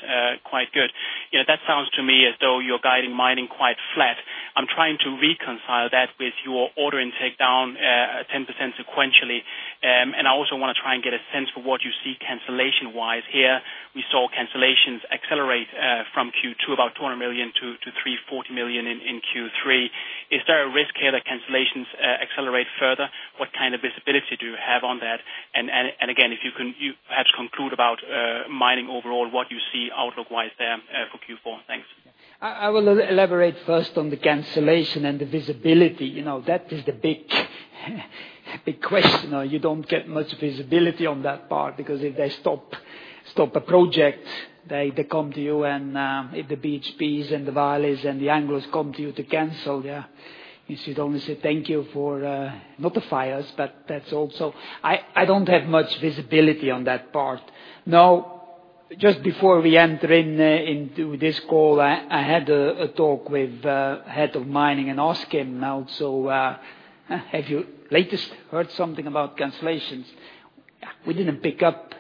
quite good. That sounds to me as though you're guiding mining quite flat. I'm trying to reconcile that with your order intake down 10% sequentially. I also want to try and get a sense for what you see cancellation-wise here. We saw cancellations accelerate from Q2 about 200 million to 340 million in Q3. Is there a risk here that cancellations accelerate further? What kind of visibility do you have on that? Again, if you can perhaps conclude about mining overall, what you see outlook-wise there for Q4. Thanks. I will elaborate first on the cancellation and the visibility. That is the big question. You don't get much visibility on that part because if they stop a project, they come to you and if the BHPs and the Vales and the Anglos come to you to cancel, you should only say thank you for notify us, but that's all. I don't have much visibility on that part. Just before we enter into this call, I had a talk with head of mining and asked him also, have you latest heard something about cancellations? We didn't pick up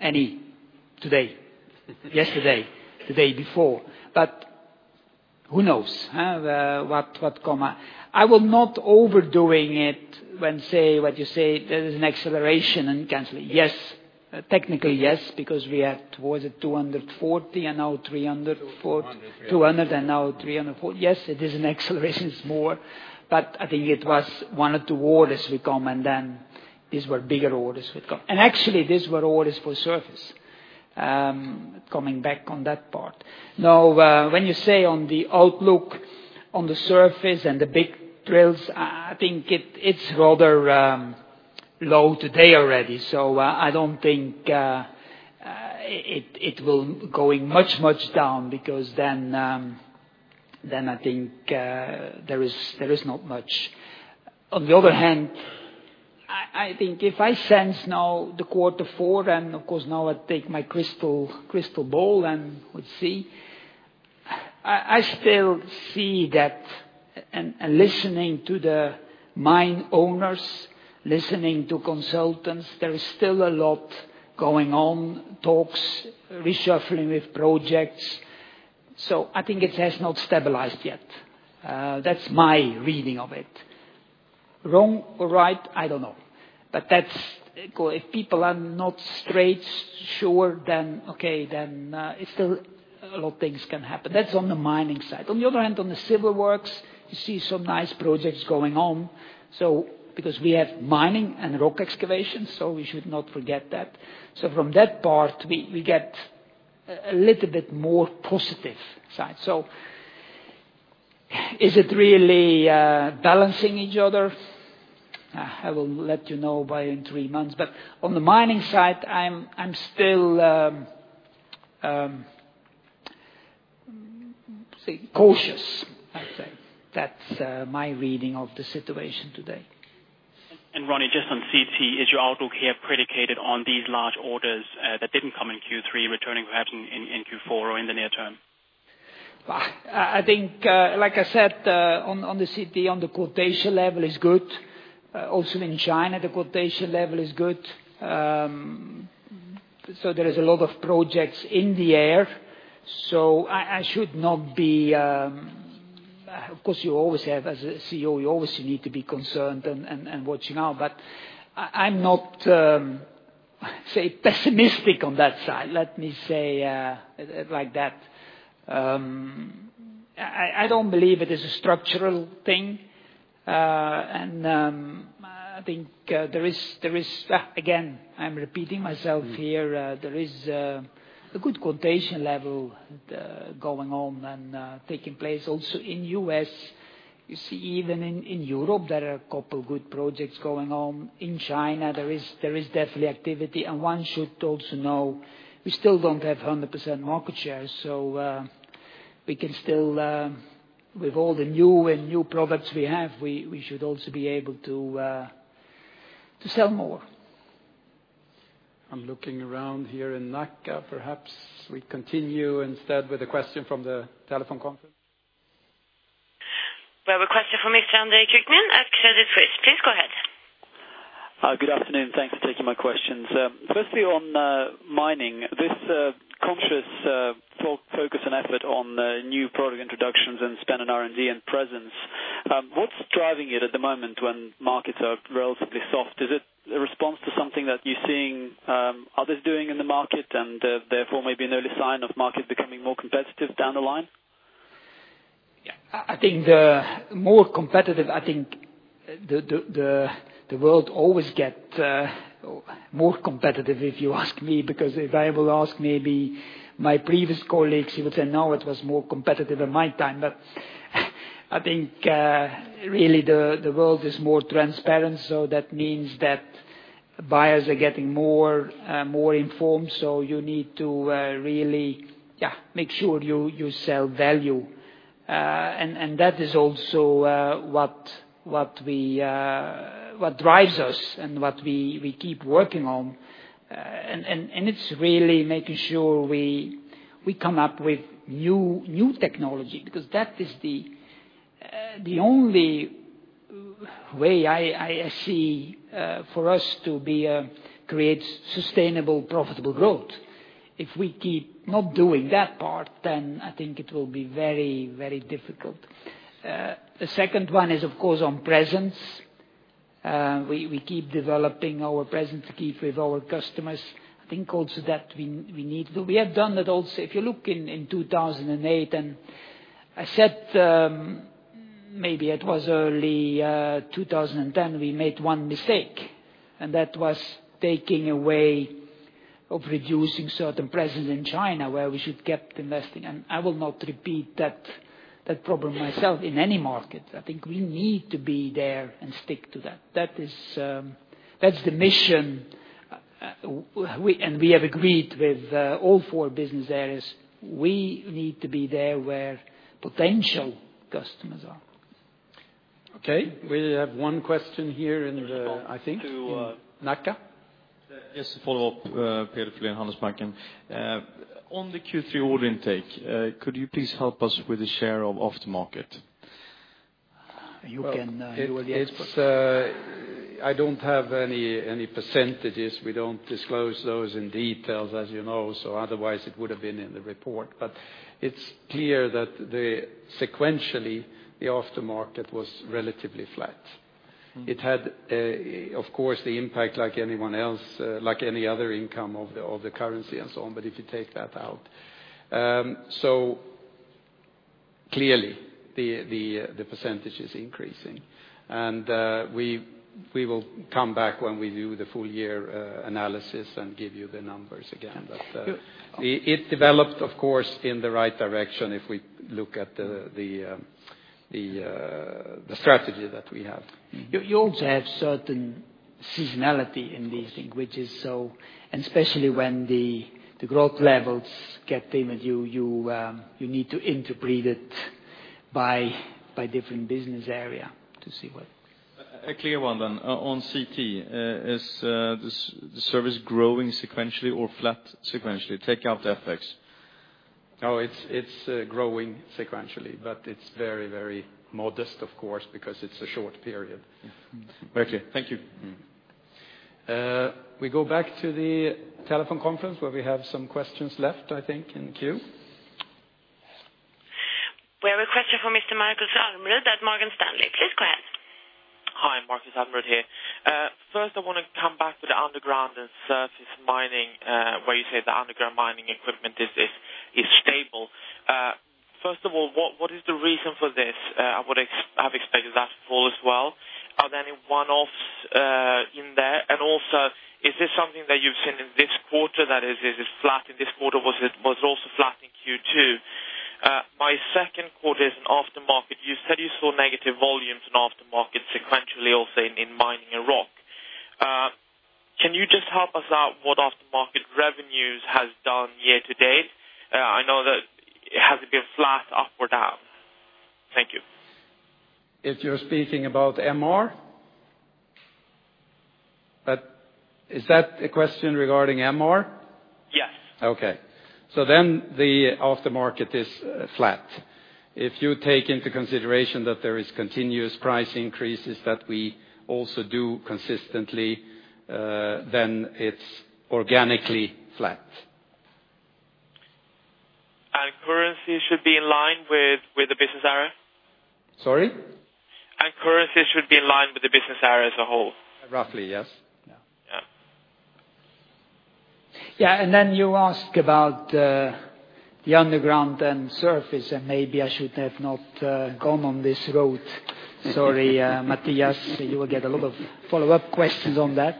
any today, yesterday, the day before. Who knows what comes. I will not overdo it when I say what you say there is an acceleration and cancellation. Yes. Technically yes, because we had towards it 240 million and now 340 million. 200. SEK 200 million and now 340 million. Yes, it is an acceleration. It's more, but I think it was one or two orders will come, and then these were bigger orders would come. Actually these were orders for surface, coming back on that part. When you say on the outlook on the surface and the big drills, I think it's rather low today already. I don't think it will go much, much down because I think there is not much. On the other hand, I think if I sense now the quarter four, and of course now I take my crystal ball and would see I still see that, and listening to the mine owners, listening to consultants, there is still a lot going on, talks, reshuffling with projects. I think it has not stabilized yet. That's my reading of it. Wrong or right, I don't know. If people are not straight sure, okay. Still a lot of things can happen. That's on the mining side. On the civil works, you see some nice projects going on. We have Mining and Rock Excavation Technique, we should not forget that. From that part, we get a little bit more positive side. Is it really balancing each other? I will let you know in three months, on the mining side, I'm still, say, cautious, I'd say. That's my reading of the situation today. Ronnie, just on CT, is your outlook here predicated on these large orders that didn't come in Q3 returning perhaps in Q4 or in the near term? I think, like I said, on the CT, on the quotation level is good. Also in China, the quotation level is good. There is a lot of projects in the air. Of course, as a CEO, you obviously need to be concerned and watching out. I'm not, say, pessimistic on that side, let me say it like that. I don't believe it is a structural thing. I think there is, again, I'm repeating myself here, there is a good quotation level going on and taking place also in U.S. You see, even in Europe, there are a couple of good projects going on. In China, there is definitely activity. One should also know we still don't have 100% market share. We can still, with all the new products we have, we should also be able to sell more. I'm looking around here in Nacka. Perhaps we continue instead with a question from the telephone conference. We have a question from Mr. Andre Kukhnin at Credit Suisse. Please go ahead. Good afternoon. Thanks for taking my questions. Firstly, on mining, this conscious focus and effort on new product introductions and spend on R&D and presence. What's driving it at the moment when markets are relatively soft? Is it a response to something that you're seeing others doing in the market, and therefore may be an early sign of market becoming more competitive down the line? I think the world always get more competitive if you ask me, because if I will ask maybe my previous colleagues, he would say, "No, it was more competitive in my time." I think really the world is more transparent, that means that buyers are getting more informed, you need to really, yeah, make sure you sell value. That is also what drives us and what we keep working on. It's really making sure we come up with new technology, because that is the only way I see for us to create sustainable, profitable growth. If we keep not doing that part, I think it will be very difficult. The second one is, of course, on presence. We keep developing our presence, keep with our customers. I think also that we have done that also. If you look in 2008, and I said, maybe it was early 2010, we made one mistake, and that was taking away of reducing certain presence in China where we should kept investing. I will not repeat that problem myself in any market. I think we need to be there and stick to that. That's the mission. We have agreed with all four business areas. We need to be there where potential customers are. Okay. We have one question here in the- There's one to- I think Nacka. Just to follow up, Peder Frölén, Handelsbanken. On the Q3 order intake, could you please help us with the share of aftermarket? You can do the expert. I don't have any %. We don't disclose those in details, as you know. Otherwise it would have been in the report. It's clear that sequentially, the aftermarket was relatively flat. It had, of course, the impact like anyone else, like any other income of the currency and so on. If you take that out. Clearly the % is increasing. We will come back when we do the full year analysis and give you the numbers again. It developed, of course, in the right direction if we look at the strategy that we have. You also have certain seasonality in this thing, which is so, and especially when the growth levels get in, you need to interpret it by different business area to see what. A clear one then. On CT, is the service growing sequentially or flat sequentially? Take out the FX. No, it's growing sequentially, but it's very modest, of course, because it's a short period. Very clear. Thank you. We go back to the telephone conference where we have some questions left, I think, in queue. We have a question from Mr. Markus Almerud at Morgan Stanley. Please go ahead. Hi, Markus Almerud here. First I want to come back to the underground and surface mining, where you say the underground mining equipment is stable. First of all, what is the reason for this? I would have expected that fall as well. Are there any one-offs in there? Also, is this something that you've seen in this quarter? That is it flat in this quarter? Was it also flat in Q2? My second quarter is an aftermarket. You said you saw negative volumes in aftermarket sequentially also in Mining and Rock. Can you just help us out what aftermarket revenues has done year-to-date? I know that it hasn't been flat, up or down. Thank you. If you're speaking about MR? Is that a question regarding MR? Yes. Okay. The aftermarket is flat. If you take into consideration that there is continuous price increases that we also do consistently, it's organically flat. Currency should be in line with the business area? Sorry? Currency should be in line with the business area as a whole? Roughly, yes. Yeah. Yeah, you ask about the underground and surface, and maybe I should have not gone on this road. Sorry, Mattias, you will get a lot of follow-up questions on that.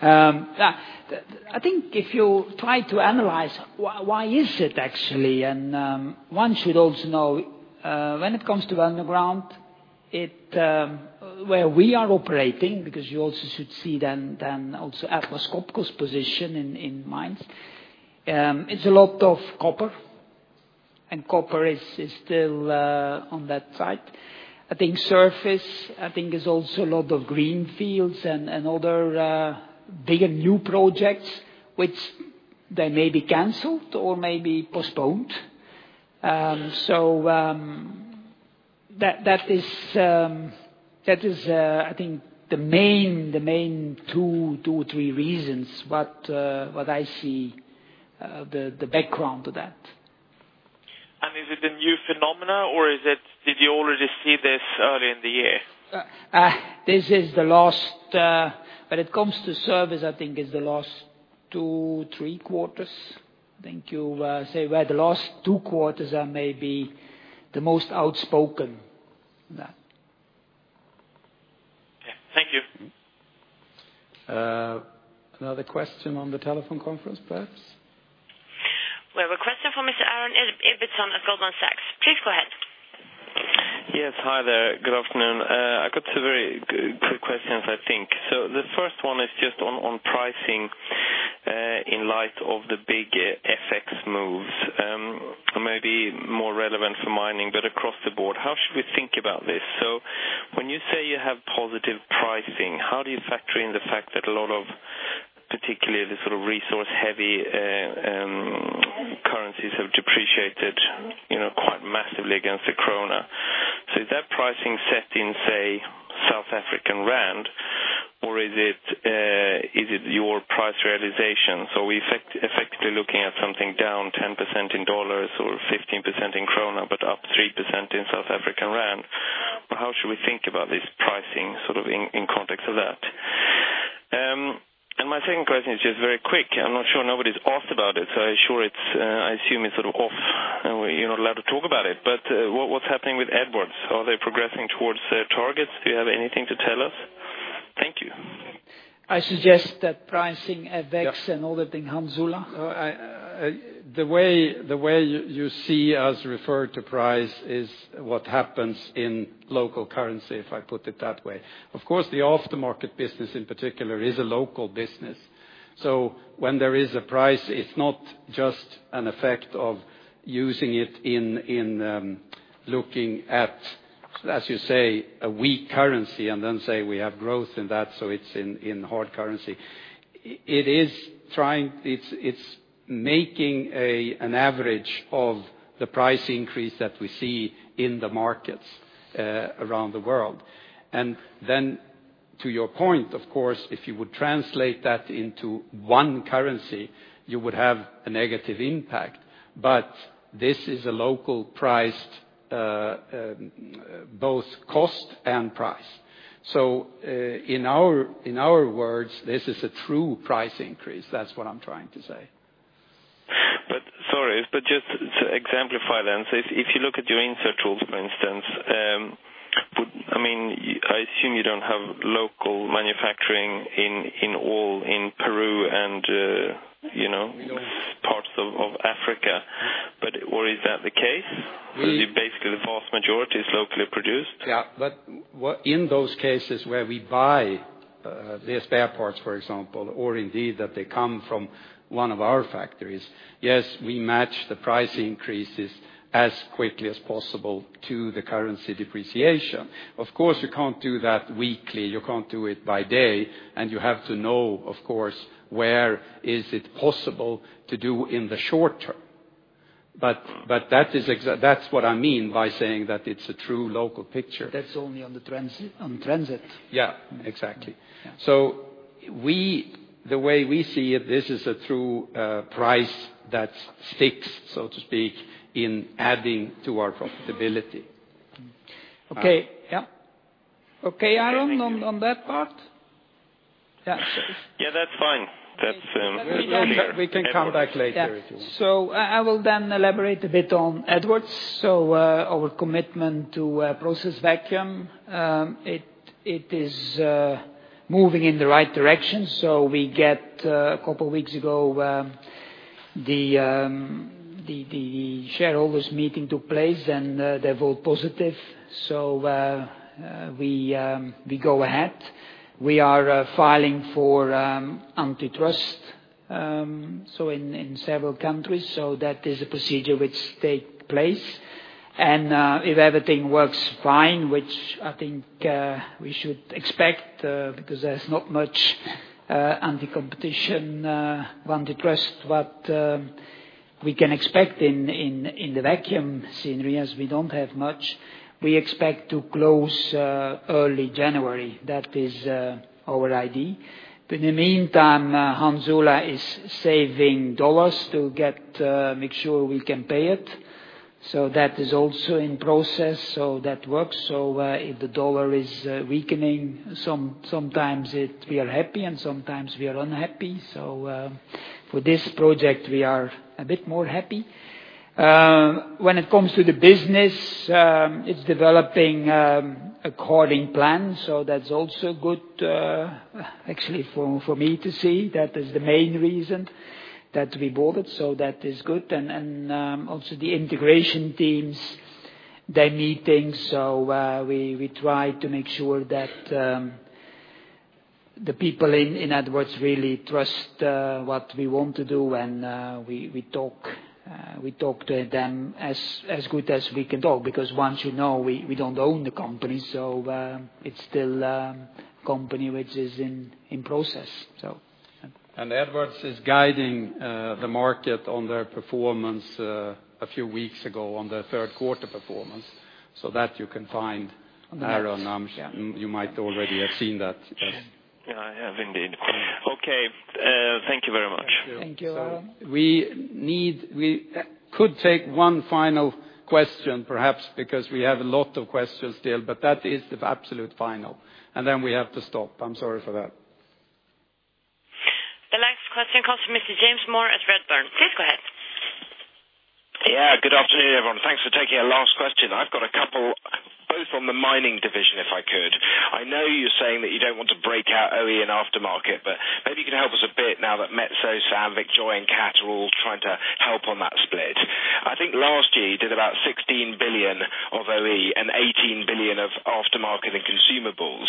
I think if you try to analyze why is it actually, and one should also know, when it comes to underground, where we are operating, because you also should see then also Atlas Copco's position in mines. It's a lot of copper, and copper is still on that side. I think surface, I think is also a lot of green fields and other bigger new projects, which they may be canceled or may be postponed. That is I think the main two, three reasons what I see the background to that. Is it a new phenomena or did you already see this early in the year? When it comes to surface, I think it's the last two, three quarters. I think you say where the last two quarters are maybe the most outspoken. Okay. Thank you. Another question on the telephone conference, perhaps? We have a question from Mr. Aaron Ibbotson of Goldman Sachs. Please go ahead. Yes. Hi there. Good afternoon. I got two very quick questions, I think. The first one is just on pricing, in light of the big FX moves. Maybe more relevant for mining, but across the board, how should we think about this? When you say you have positive pricing, how do you factor in the fact that a lot of, particularly the sort of resource-heavy currencies have depreciated quite massively against the SEK? Is that pricing set in, say, ZAR, or is it your price realization? We effectively looking at something down 10% in USD or 15% in SEK, but up 3% in ZAR. How should we think about this pricing sort of in context of that? My second question is just very quick. I'm not sure nobody's asked about it, so I assume it's sort of off, and you're not allowed to talk about it. What's happening with Edwards? Are they progressing towards their targets? Do you have anything to tell us? Thank you. I suggest that pricing effects and other thing, Hans Ola. The way you see us refer to price is what happens in local currency, if I put it that way. Of course, the aftermarket business in particular is a local business. When there is a price, it's not just an effect of using it in looking at, as you say, a weak currency and then say we have growth in that, it's in hard currency. It's making an average of the price increase that we see in the markets around the world. Then to your point, of course, if you would translate that into one currency, you would have a negative impact. This is a local priced, both cost and price. In our words, this is a true price increase. That's what I'm trying to say. Sorry, just to exemplify then, if you look at your insert tools, for instance, I assume you don't have local manufacturing in all in Peru and parts of Africa. Is that the case? Basically, the vast majority is locally produced? In those cases where we buy the spare parts, for example, or indeed that they come from one of our factories. Yes, we match the price increases as quickly as possible to the currency depreciation. Of course, you cannot do that weekly, you cannot do it by day, and you have to know, of course, where is it possible to do in the short term. That is what I mean by saying that it is a true local picture. That is only on transit. Exactly. Yeah. The way we see it, this is a true price that sticks, so to speak, in adding to our profitability. Okay. Yeah. Okay, Aaron, on that part? Yeah. Yeah, that's fine. That's clear. We can come back later if you want. Yeah. I will then elaborate a bit on Edwards. Our commitment to process vacuum, it is moving in the right direction. We get, a couple of weeks ago, the shareholders' meeting took place and they vote positive. We go ahead. We are filing for antitrust, so in several countries. That is a procedure which take place. If everything works fine, which I think we should expect, because there's not much anti-competition, one antitrust, what we can expect in the vacuum scenery, as we don't have much, we expect to close early January. That is our idea. In the meantime, Hans Ola is saving dollars to make sure we can pay it. That is also in process, so that works. If the dollar is weakening, sometimes we are happy and sometimes we are unhappy. For this project, we are a bit more happy. When it comes to the business, it's developing according plan, that's also good, actually, for me to see. That is the main reason that we bought it, that is good, and also the integration teams, they're meeting. We try to make sure that the people in Edwards really trust what we want to do and we talk to them as good as we can talk, because, you know, we don't own the company. It's still company which is in process. Edwards is guiding the market on their performance a few weeks ago on their third quarter performance, so that you can find. On the next. Aaron, you might already have seen that. Yes. Yeah, I have indeed. Okay. Thank you very much. Thank you, Aaron. We could take one final question perhaps because we have a lot of questions still, but that is the absolute final, and then we have to stop. I'm sorry for that. The next question comes from Mr. James Moore at Redburn. Please go ahead. Good afternoon, everyone. Thanks for taking a last question. I've got a couple, both on the mining division, if I could. I know you're saying that you don't want to break out OE and aftermarket, but maybe you can help us a bit now that Metso, Sandvik, Joy and Cat are all trying to help on that split. I think last year you did about 16 billion of OE and 18 billion of aftermarket and consumables.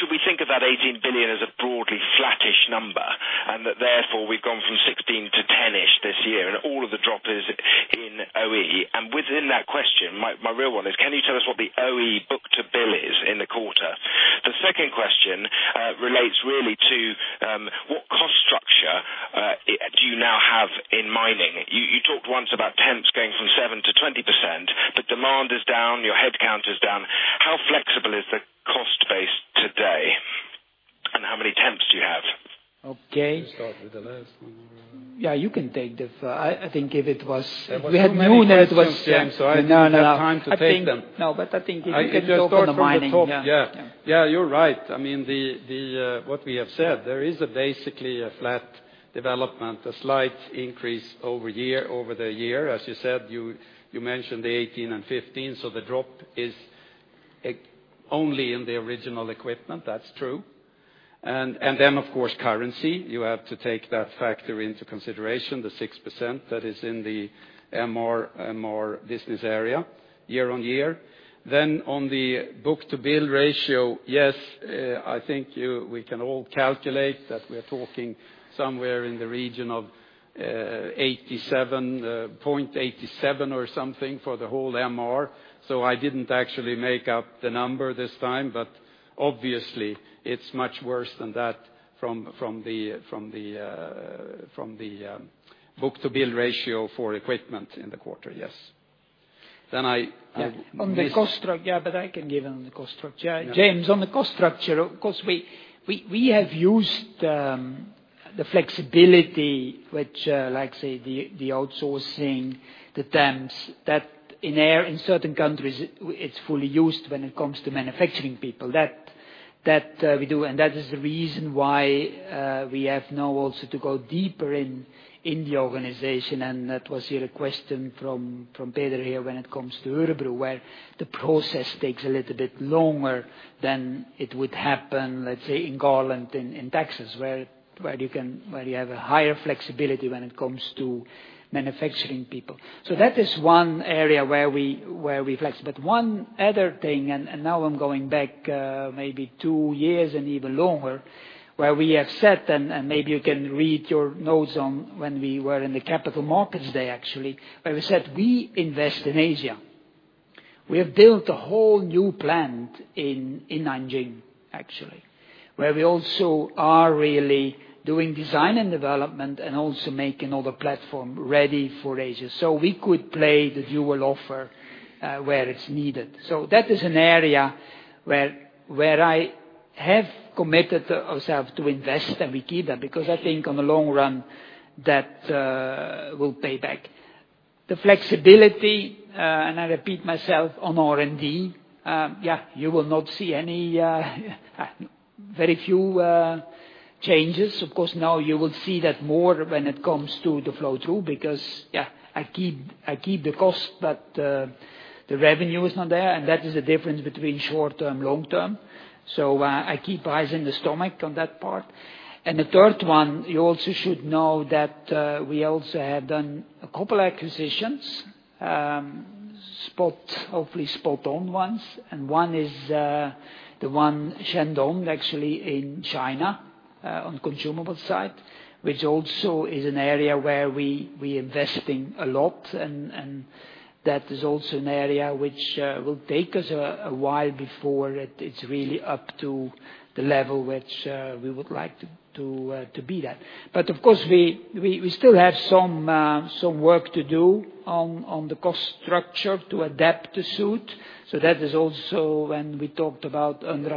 Should we think of that 18 billion as a broadly flattish number, and that therefore we've gone from 16 to 10-ish this year, and all of the drop is in OE? Within that question, my real one is, can you tell us what the OE book to bill is in the quarter? The second question relates really to what cost structure do you now have in mining? You talked once about temps going from 7% to 20%, but demand is down, your headcount is down. How flexible is the cost base today, and how many temps do you have? Okay. We start with the last one. Yeah, you can take this. I think if it was- There was so many questions, James. We had known that it was. I didn't have time to take them. No, I think you can go from the mining. If I start from the top. You're right. What we have said, there is basically a flat development, a slight increase over the year. As you said, you mentioned the 16 and 18, so the drop is only in the original equipment. That's true. Of course currency, you have to take that factor into consideration, the 6% that is in the MR business area year-on-year. On the book to bill ratio, yes, I think we can all calculate that we're talking somewhere in the region of 0.87 or something for the whole MR. I didn't actually make up the number this time, but obviously it's much worse than that from the book to bill ratio for equipment in the quarter, yes. I can give on the cost structure. Yeah. James, on the cost structure, of course, we have used the flexibility which, like say the outsourcing, the temps, that in certain countries it's fully used when it comes to manufacturing people. That we do, and that is the reason why we have now also to go deeper in the organization, and that was your question from Peder here when it comes to Örebro where the process takes a little bit longer than it would happen, let's say, in Garland, in Texas, where you have a higher flexibility when it comes to manufacturing people. That is one area where we flex. One other thing, and now I'm going back maybe two years and even longer, where we have said, and maybe you can read your notes on when we were in the capital markets day actually, where we said we invest in Asia. We have built a whole new plant in Nanjing, actually, where we also are really doing design and development and also making all the platform ready for Asia. We could play the dual offer where it's needed. That is an area where I have committed ourselves to invest, and we keep that, because I think on the long run, that will pay back. The flexibility, and I repeat myself on R&D, you will not see any very few changes. Of course, now you will see that more when it comes to the flow-through, because, yeah, I keep the cost, but the revenue is not there, and that is the difference between short-term, long-term. I keep my eyes in the stomach on that part. The third one, you also should know that we also have done a couple acquisitions. Hopefully spot on ones. One is the one Shandong, actually in China, on consumable side, which also is an area where we invest in a lot and that is also an area which will take us a while before it's really up to the level which we would like to be at. Of course, we still have some work to do on the cost structure to adapt to suit. That is also when we talked about under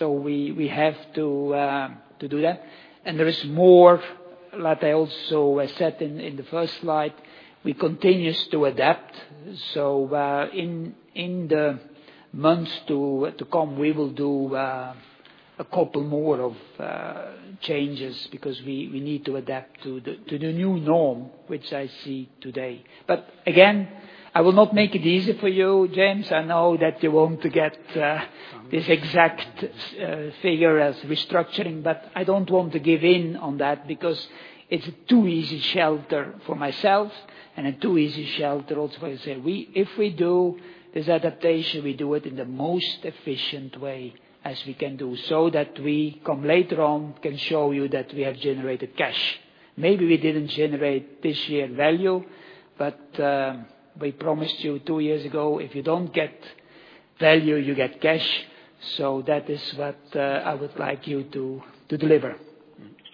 absorption. We have to do that. There is more that I also said in the first slide, we continues to adapt. In the months to come, we will do a couple more of changes because we need to adapt to the new norm, which I see today. Again, I will not make it easy for you, James. I know that you want to get this exact figure as restructuring, but I don't want to give in on that because it's too easy shelter for myself and a too easy shelter also for say, if we do this adaptation, we do it in the most efficient way as we can do, so that we come later on can show you that we have generated cash. Maybe we didn't generate this year value, but, we promised you two years ago, if you don't get value, you get cash. That is what I would like you to deliver.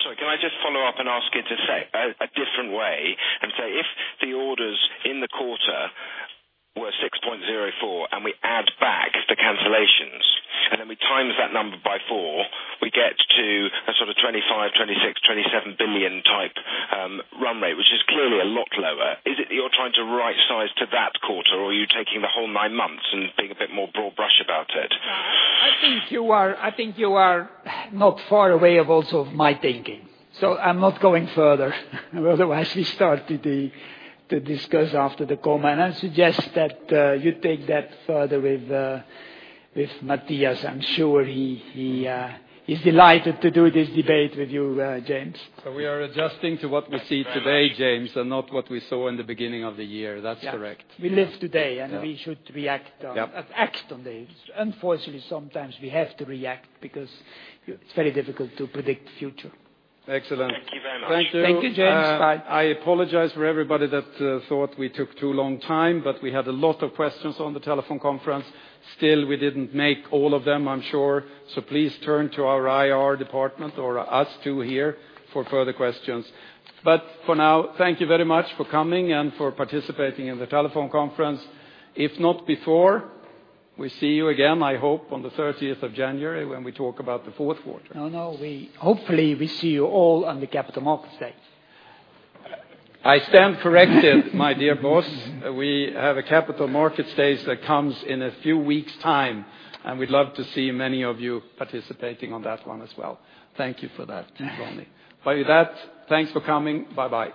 Sorry. Can I just follow up and ask you to say a different way, say if the orders in the quarter were 6.04 billion, and we add back the cancellations, and then we times that number by four, we get to a sort of 25 billion, 26 billion, 27 billion type run rate, which is clearly a lot lower. Is it that you're trying to right size to that quarter, or are you taking the whole nine months and being a bit more broad brush about it? I think you are not far away of also my thinking. I'm not going further. Otherwise, we start to discuss after the call. I suggest that you take that further with Matthias. I'm sure he's delighted to do this debate with you, James. We are adjusting to what we see today, James, and not what we saw in the beginning of the year. That's correct. Yeah. We live today, and we should react. Yep acts on this. Unfortunately, sometimes we have to react because it's very difficult to predict the future. Excellent. Thank you very much. Thank you, James. Bye. I apologize for everybody that thought we took too long time, we had a lot of questions on the telephone conference. We didn't make all of them, I'm sure. Please turn to our IR department or us two here for further questions. For now, thank you very much for coming and for participating in the telephone conference. If not before, we see you again, I hope on the 30th of January when we talk about the fourth quarter. No, hopefully, we see you all on the Capital Markets Day. I stand corrected, my dear boss. We have a capital market stage that comes in a few weeks time. We'd love to see many of you participating on that one as well. Thank you for that, Ronnie. For you, that, thanks for coming. Bye-bye.